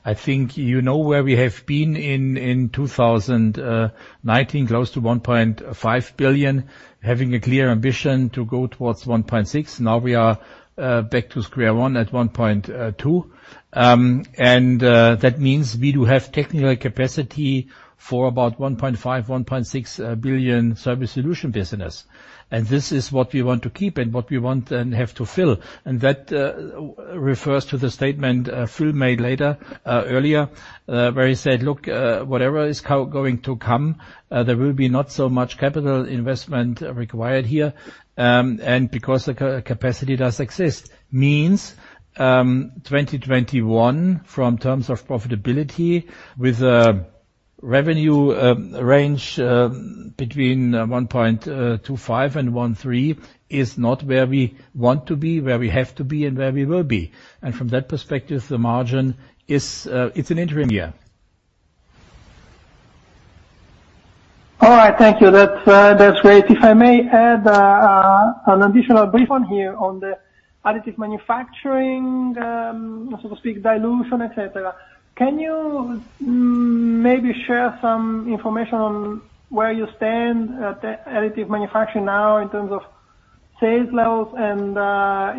I think you know where we have been in 2019, close to 1.5 billion, having a clear ambition to go towards 1.6 billion. Now we are back to square one at 1.2 billion. That means we do have technical capacity for about 1.5 billion, 1.6 billion Surface Solutions business. This is what we want to keep and what we want and have to fill. That refers to the statement Phil made earlier, where he said, "Look, whatever is going to come, there will be not so much capital investment required here." Because the capacity does exist, means 2021 from terms of profitability with a revenue range between 1.25 billion and 1.3 billion is not where we want to be, where we have to be, and where we will be. From that perspective, the margin. It's an interim year. All right. Thank you. That's great. If I may add an additional brief one here on the Additive Manufacturing, so to speak, dilution, et cetera. Can you maybe share some information on where you stand at Additive Manufacturing now in terms of sales levels?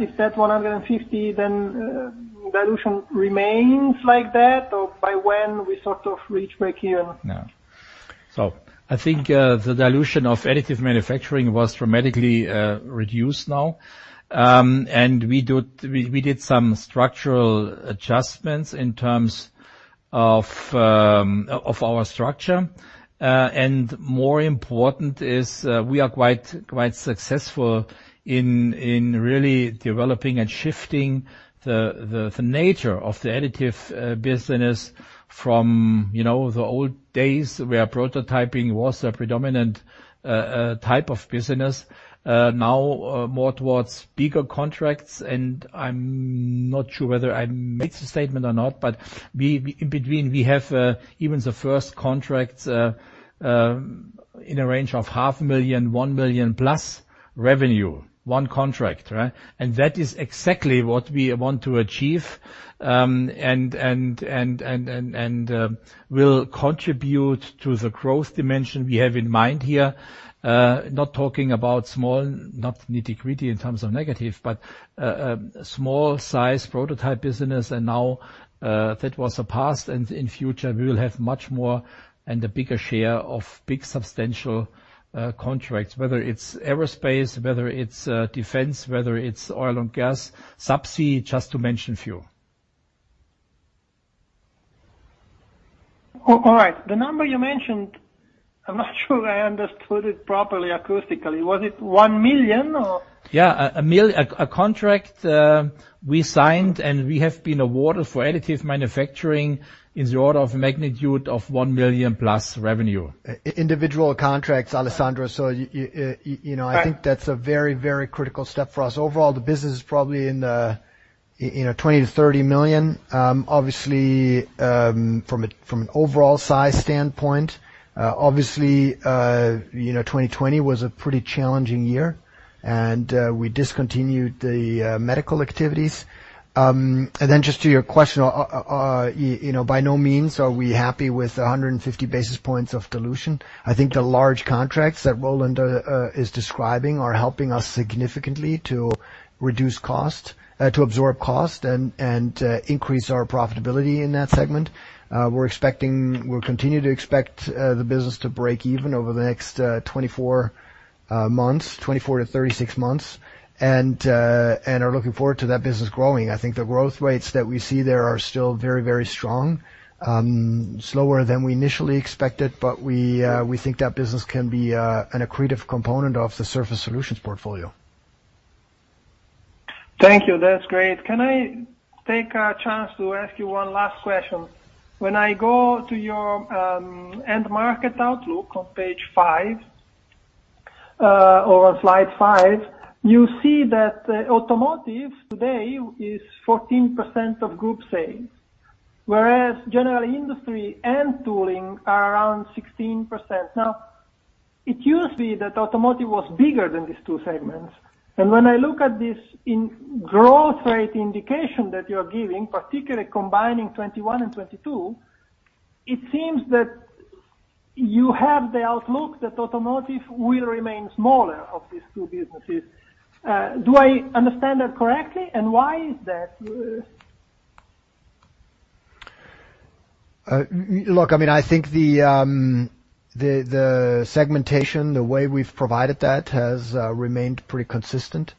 If that 150, then dilution remains like that, or by when we sort of reach break even? No. I think the dilution of additive manufacturing was dramatically reduced now. We did some structural adjustments in terms of our structure. More important is we are quite successful in really developing and shifting the nature of the additive business from the old days, where prototyping was a predominant type of business. Now, more towards bigger contracts, I'm not sure whether I made the statement or not, in between, we have even the first contracts in a range of 500,000-1 million+ revenue. One contract, right? That is exactly what we want to achieve and will contribute to the growth dimension we have in mind here. Not talking about small, not nitty-gritty in terms of negative, but small size prototype business, and now that was a past, and in future, we will have much more and a bigger share of big, substantial contracts, whether it's aerospace, whether it's defense, whether it's oil and gas, subsea, just to mention a few. All right. The number you mentioned, I'm not sure I understood it properly acoustically. Was it 1 million or? Yeah. A contract we signed, and we have been awarded for additive manufacturing in the order of magnitude of one million-plus revenue. Individual contracts, Alessandro. I think that's a very critical step for us. Overall, the business is probably in the 20 million-30 million. Obviously, from an overall size standpoint, obviously, 2020 was a pretty challenging year, and we discontinued the medical activities. Just to your question, by no means are we happy with 150 basis points of dilution. I think the large contracts that Roland is describing are helping us significantly to reduce cost, to absorb cost, and to increase our profitability in that segment. We'll continue to expect the business to break even over the next 24 months, 24-36 months, and are looking forward to that business growing. I think the growth rates that we see there are still very strong. Slower than we initially expected, we think that business can be an accretive component of the Surface Solutions portfolio. Thank you. That's great. Can I take a chance to ask you one last question? When I go to your end market outlook on page five, or on slide five, you see that automotive today is 14% of group sales, whereas general industry and tooling are around 16%. It used to be that automotive was bigger than these two segments. When I look at this in growth rate indication that you're giving, particularly combining 2021 and 2022, it seems that you have the outlook that automotive will remain smaller of these two businesses. Do I understand that correctly, and why is that? Look, I think the segmentation, the way we've provided that, has remained pretty consistent.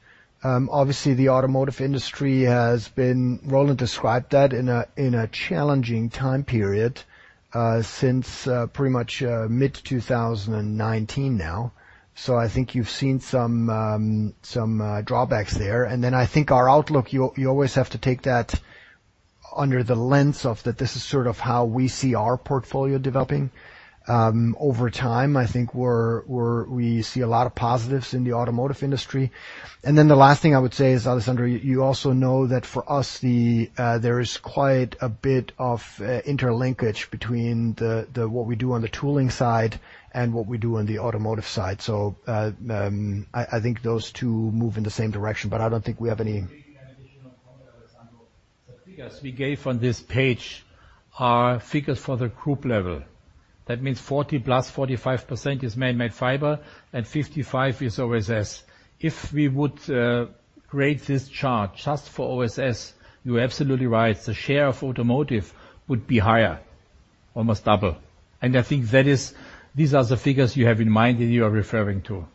Obviously, the automotive industry has been, Roland described that, in a challenging time period since pretty much mid-2019 now. I think you've seen some drawbacks there. I think our outlook, you always have to take that under the lens of that this is sort of how we see our portfolio developing. Over time, I think we see a lot of positives in the automotive industry. The last thing I would say is, Alessandro, you also know that for us, there is quite a bit of interlinkage between what we do on the tooling side and what we do on the automotive side. I think those two move in the same direction. Maybe an additional comment, Alessandro. The figures we gave on this page are figures for the group level. Means 40%+, 45% is Manmade Fibers, and 55% is OSS. If we would create this chart just for OSS, you're absolutely right, the share of automotive would be higher, almost double. I think these are the figures you have in mind and you are referring to.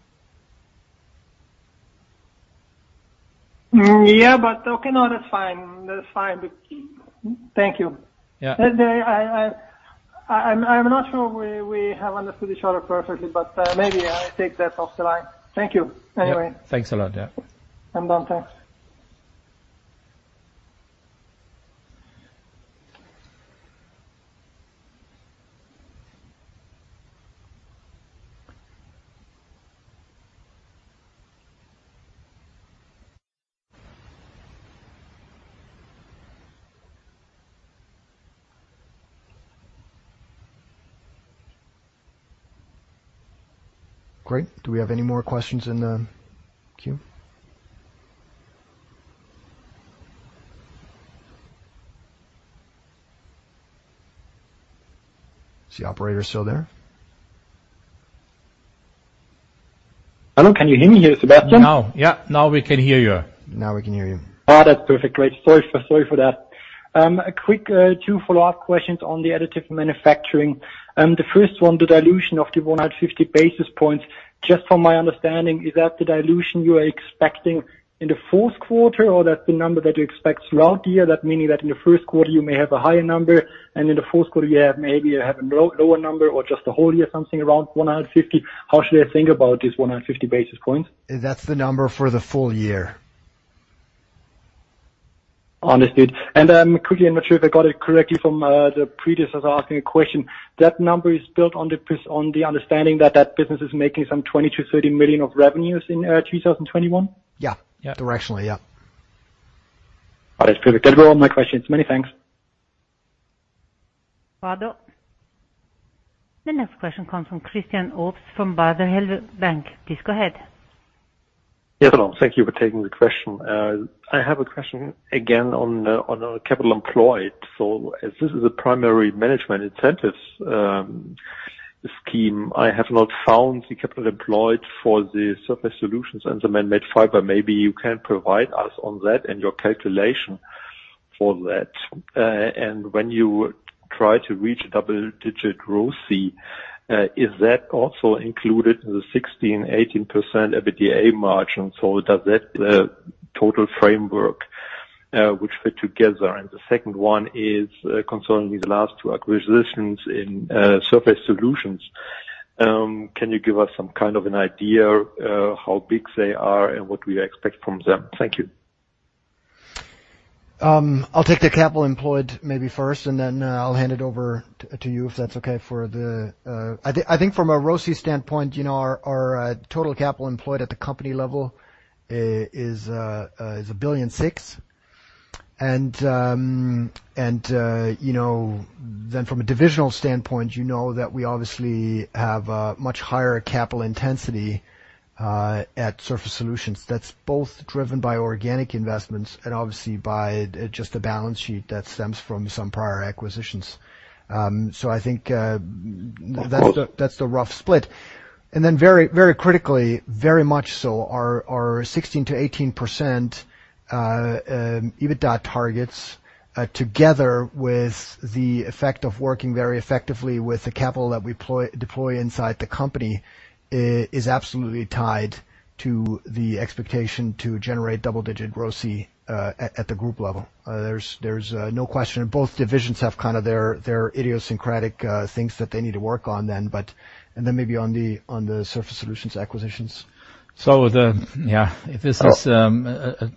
Yeah. Okay. No, that's fine. Thank you. Yeah. I'm not sure we have understood each other perfectly. Maybe I take that off the line. Thank you anyway. Thanks a lot. Yeah. I'm done. Thanks. Great. Do we have any more questions in the queue? Is the operator still there? Hello, can you hear me here, Sebastian? Now, yeah. Now we can hear you. Now we can hear you. That's perfect. Great. Sorry for that. A quick two follow-up questions on the additive manufacturing. The first one, the dilution of the 150 basis points, just from my understanding, is that the dilution you are expecting in the fourth quarter, or that's the number that you expect throughout the year, that meaning that in the first quarter you may have a higher number, and in the fourth quarter you have maybe you have a lower number or just the whole year, something around 150. How should I think about this 150 basis points? That's the number for the full year. Understood. Quickly, I'm not sure if I got it correctly from the previous asking a question. That number is built on the understanding that that business is making some 20 million-CHF30 million of revenues in 2021? Yeah. Yeah. Directionally, yeah. All right. It's perfect. That were all my questions. Many thanks. The next question comes from Christian Ochs from Baader Bank. Please go ahead. Yes, hello. Thank you for taking the question. I have a question again on capital employed. As this is a primary management incentives scheme, I have not found the capital employed for the Surface Solutions and the Manmade Fibers. Maybe you can provide us on that and your calculation for that. When you try to reach double-digit ROCE, is that also included in the 16%-18% EBITDA margin? Does that total framework which fit together? The second one is concerning the last two acquisitions in Surface Solutions. Can you give us some kind of an idea how big they are and what we expect from them? Thank you. I'll take the capital employed maybe first, and then I'll hand it over to you if that's okay for the. I think from a ROCE standpoint, our total capital employed at the company level is 1.6 billion. From a divisional standpoint, you know that we obviously have a much higher capital intensity at Surface Solutions that's both driven by organic investments and obviously by just the balance sheet that stems from some prior acquisitions. I think that's the rough split. Very critically, very much so, our 16%-18% EBITDA targets, together with the effect of working very effectively with the capital that we deploy inside the company, is absolutely tied to the expectation to generate double-digit ROCE at the group level. There's no question. Both divisions have kind of their idiosyncratic things that they need to work on then. Then maybe on the Surface Solutions acquisitions. Yeah, this is a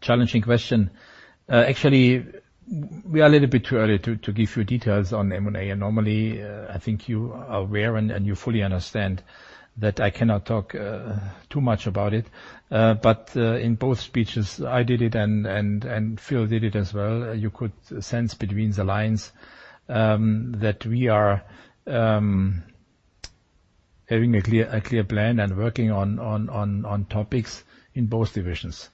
challenging question. Actually, we are a little bit too early to give you details on M&A. Normally, I think you are aware and you fully understand that I cannot talk too much about it. In both speeches, I did it and Phil did it as well, you could sense between the lines, that we are having a clear plan and working on topics in both divisions.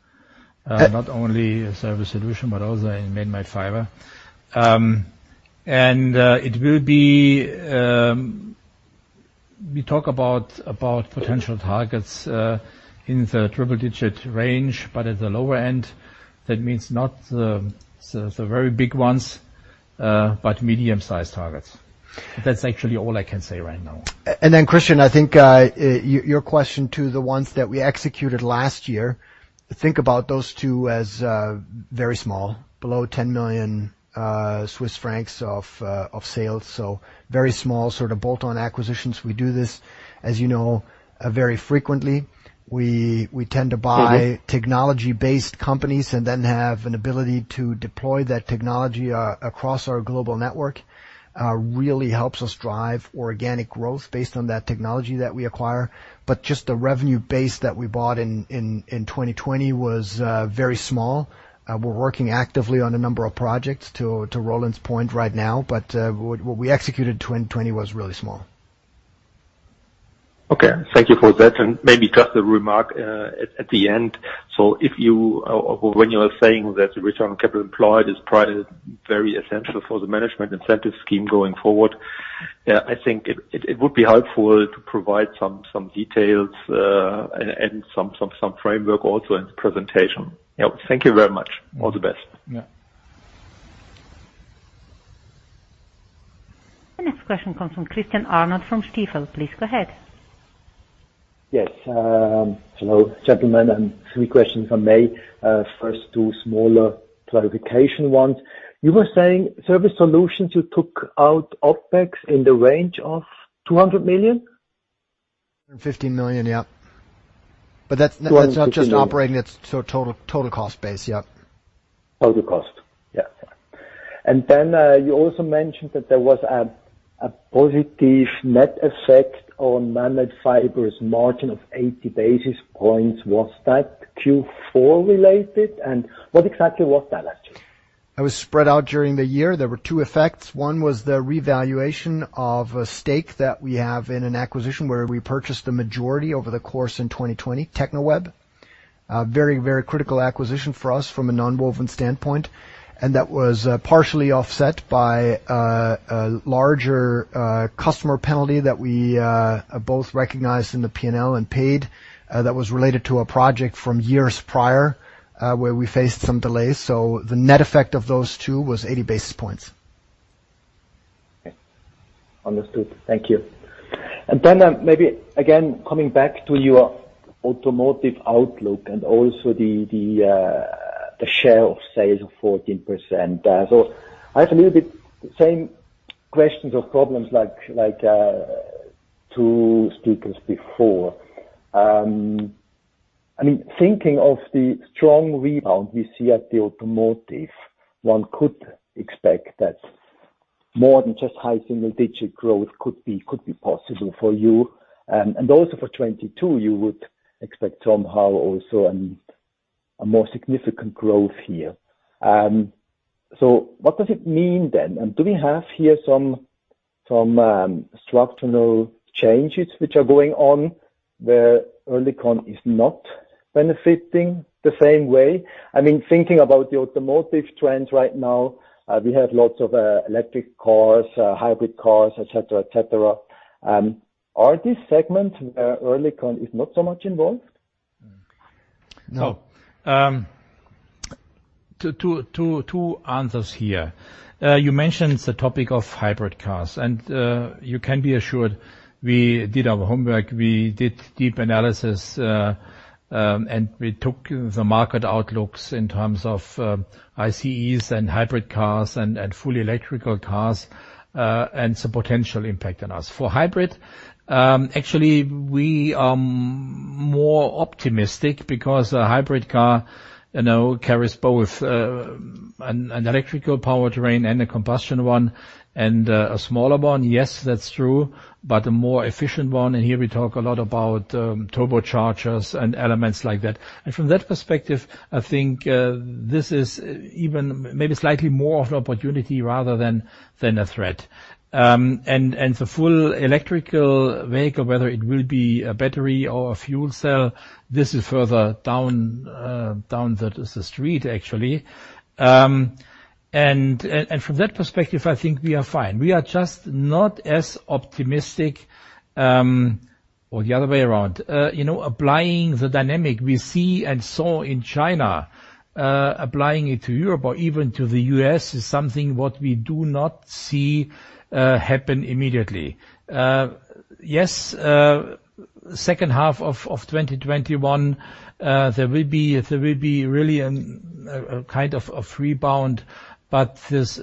Not only in Surface Solutions, but also in Manmade Fibers. It will be, we talk about potential targets, in the triple digit range, but at the lower end, that means not the very big ones, but medium-sized targets. That's actually all I can say right now. Christian, I think, your question to the ones that we executed last year, think about those two as very small, below 10 million Swiss francs of sales. Very small sort of bolt-on acquisitions. We do this, as you know, very frequently. We tend to buy technology-based companies and then have an ability to deploy that technology across our global network. Really helps us drive organic growth based on that technology that we acquire. Just the revenue base that we bought in 2020 was very small. We're working actively on a number of projects, to Roland's point right now. What we executed in 2020 was really small. Okay. Thank you for that. Maybe just a remark at the end. When you are saying that return on capital employed is very essential for the management incentive scheme going forward, I think it would be helpful to provide some details, and some framework also in the presentation. Thank you very much. All the best. Yeah. The next question comes from Christian Arnold from Stifel. Please go ahead. Yes. Hello, gentlemen, three questions if I may. First, two smaller clarification ones. You were saying Surface Solutions, you took out OpEx in the range of 200 million? That's not just operating, it's sort of total cost base, yep. Total cost. Yeah. Then, you also mentioned that there was a positive net effect on Manmade Fibers margin of 80 basis points. Was that Q4 related, and what exactly was that actually? It was spread out during the year. There were two effects. One was the revaluation of a stake that we have in an acquisition where we purchased the majority over the course in 2020, Teknoweb. Very critical acquisition for us from a nonwoven standpoint. And that was partially offset by a larger customer penalty that we both recognized in the P&L and paid, that was related to a project from years prior, where we faced some delays. The net effect of those two was 80 basis points. Okay. Understood. Thank you. Maybe again, coming back to your automotive outlook and also the share of sales of 14%. I have a little bit same questions or problems like two speakers before. Thinking of the strong rebound we see at the automotive, one could expect that more than just high single-digit growth could be possible for you. For 2022, you would expect somehow also a more significant growth here. What does it mean then? Do we have here some structural changes which are going on where Oerlikon is not benefiting the same way? Thinking about the automotive trends right now, we have lots of electric cars, hybrid cars, et cetera. Are these segments where Oerlikon is not so much involved? No. two answers here. You mentioned the topic of hybrid cars. You can be assured we did our homework. We did deep analysis. We took the market outlooks in terms of ICEs and hybrid cars and fully electrical cars, and its potential impact on us. For hybrid, actually, we are more optimistic because a hybrid car carries both an electrical powertrain and a combustion one. A smaller one, yes, that's true, but a more efficient one, and here we talk a lot about turbochargers and elements like that. From that perspective, I think this is even maybe slightly more of an opportunity rather than a threat. The full electrical vehicle, whether it will be a battery or a fuel cell, this is further down the street, actually. From that perspective, I think we are fine. We are just not as optimistic, or the other way around. Applying the dynamic we see and saw in China, applying it to Europe or even to the U.S. is something what we do not see happen immediately. Yes, second half of 2021, there will be really a kind of rebound. This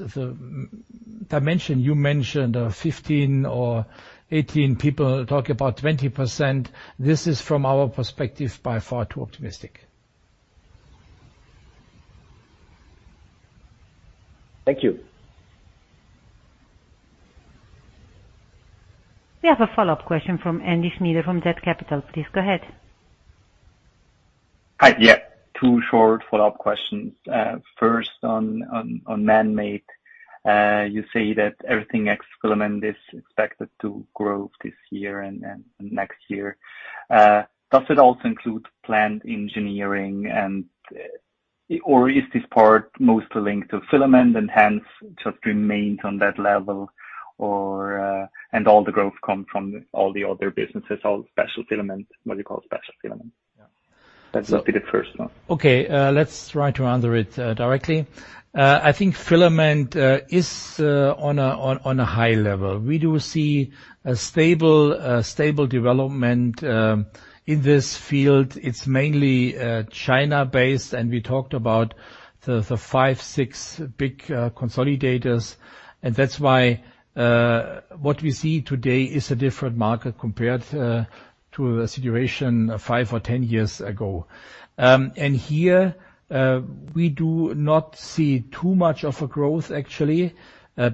dimension you mentioned, 15 or 18 people talk about 20%, this is from our perspective, by far too optimistic. Thank you. We have a follow-up question from Andy Schnyder from zCapital. Please go ahead. Hi. Yeah. Two short follow-up questions. First on Manmade. You say that everything ex-filament is expected to grow this year and next year. Does it also include plant engineering or is this part mostly linked to filament and hence just remains on that level and all the growth come from all the other businesses, all special filament, what you call special filament? That would be the first one. Okay. Let's try to answer it directly. I think filament is on a high level. We do see a stable development in this field. It's mainly China-based, and we talked about the five, six big consolidators. That's why what we see today is a different market compared to a situation five or 10 years ago. Here we do not see too much of a growth actually,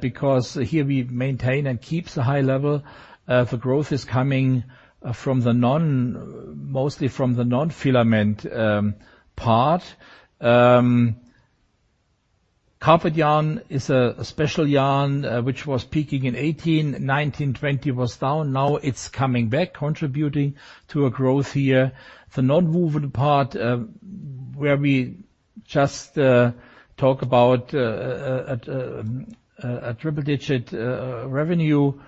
because here we maintain and keep the high level. The growth is coming mostly from the non-filament part. Carpet yarn is a special yarn which was peaking in 2018. 2019, 2020 was down. Now it's coming back, contributing to a growth here. The nonwoven part, where we just talk about a triple-digit revenue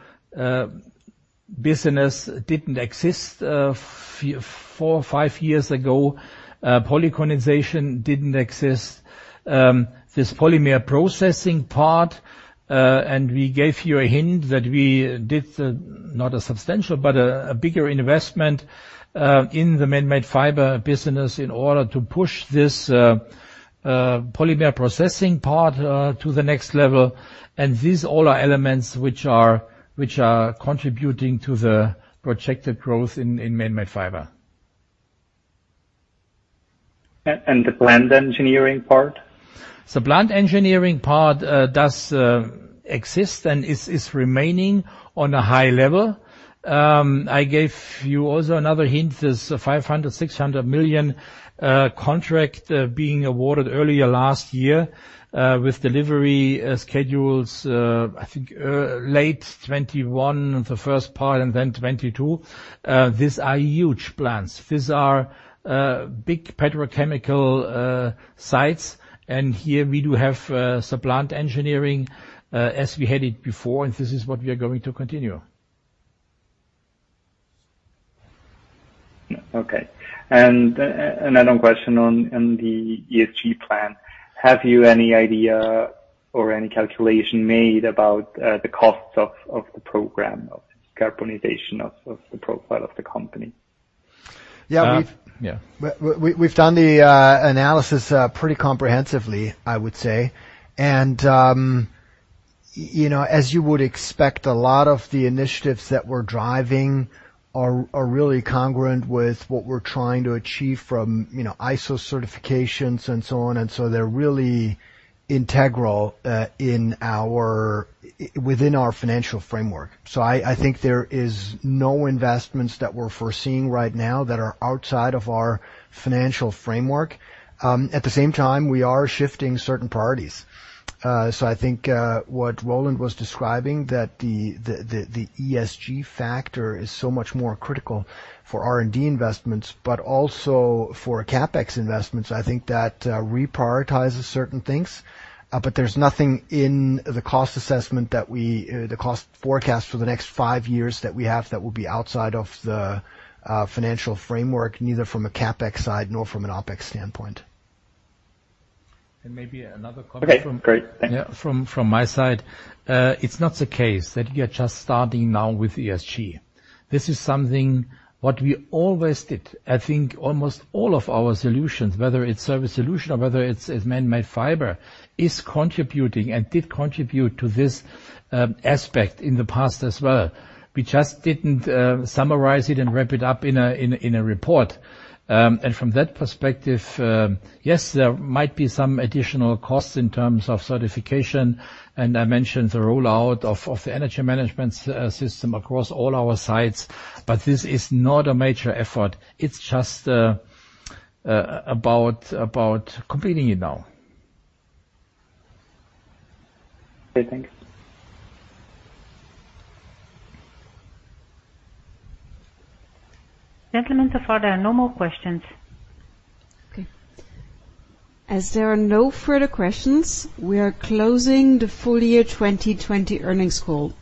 business, didn't exist four or five years ago. polycondensation didn't exist. This polymer processing part, we gave you a hint that we did, not a substantial, but a bigger investment in the Manmade Fibers business in order to push this polymer processing part to the next level. These all are elements which are contributing to the projected growth in Manmade Fibers. The plant engineering part? The plant engineering part does exist and is remaining on a high level. I gave you also another hint. There's a 500 million-600 million contract being awarded earlier last year, with delivery schedules, I think late 2021, the first part, and then 2022. These are huge plants. These are big petrochemical sites. Here we do have plant engineering, as we had it before, and this is what we are going to continue. Okay. Another question on the ESG plan. Have you any idea or any calculation made about the costs of the program of decarbonization of the profile of the company? Yeah. Yeah. We've done the analysis pretty comprehensively, I would say. As you would expect, a lot of the initiatives that we're driving are really congruent with what we're trying to achieve from ISO certifications and so on. They're really integral within our financial framework. I think there is no investments that we're foreseeing right now that are outside of our financial framework. At the same time, we are shifting certain priorities. I think what Roland was describing, that the ESG factor is so much more critical for R&D investments, but also for CapEx investments, I think that reprioritizes certain things. There's nothing in the cost forecast for the next five years that we have that will be outside of the financial framework, neither from a CapEx side nor from an OpEx standpoint. Maybe another comment. Okay, great. Thanks. From my side. It's not the case that we are just starting now with ESG. This is something what we always did. I think almost all of our solutions, whether it's Surface Solutions or whether it's Manmade Fibers, is contributing and did contribute to this aspect in the past as well. We just didn't summarize it and wrap it up in a report. From that perspective, yes, there might be some additional costs in terms of certification, and I mentioned the rollout of the energy management system across all our sites, but this is not a major effort. It's just about completing it now. Okay, thank you. Gentlemen, so far there are no more questions. Okay. As there are no further questions, we are closing the full year 2020 earnings call.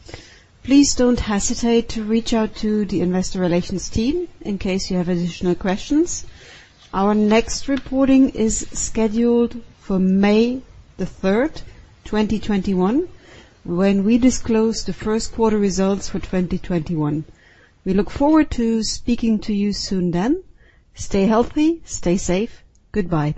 Please don't hesitate to reach out to the investor relations team in case you have additional questions. Our next reporting is scheduled for May 3rd, 2021, when we disclose the first quarter results for 2021. We look forward to speaking to you soon then. Stay healthy, stay safe. Goodbye.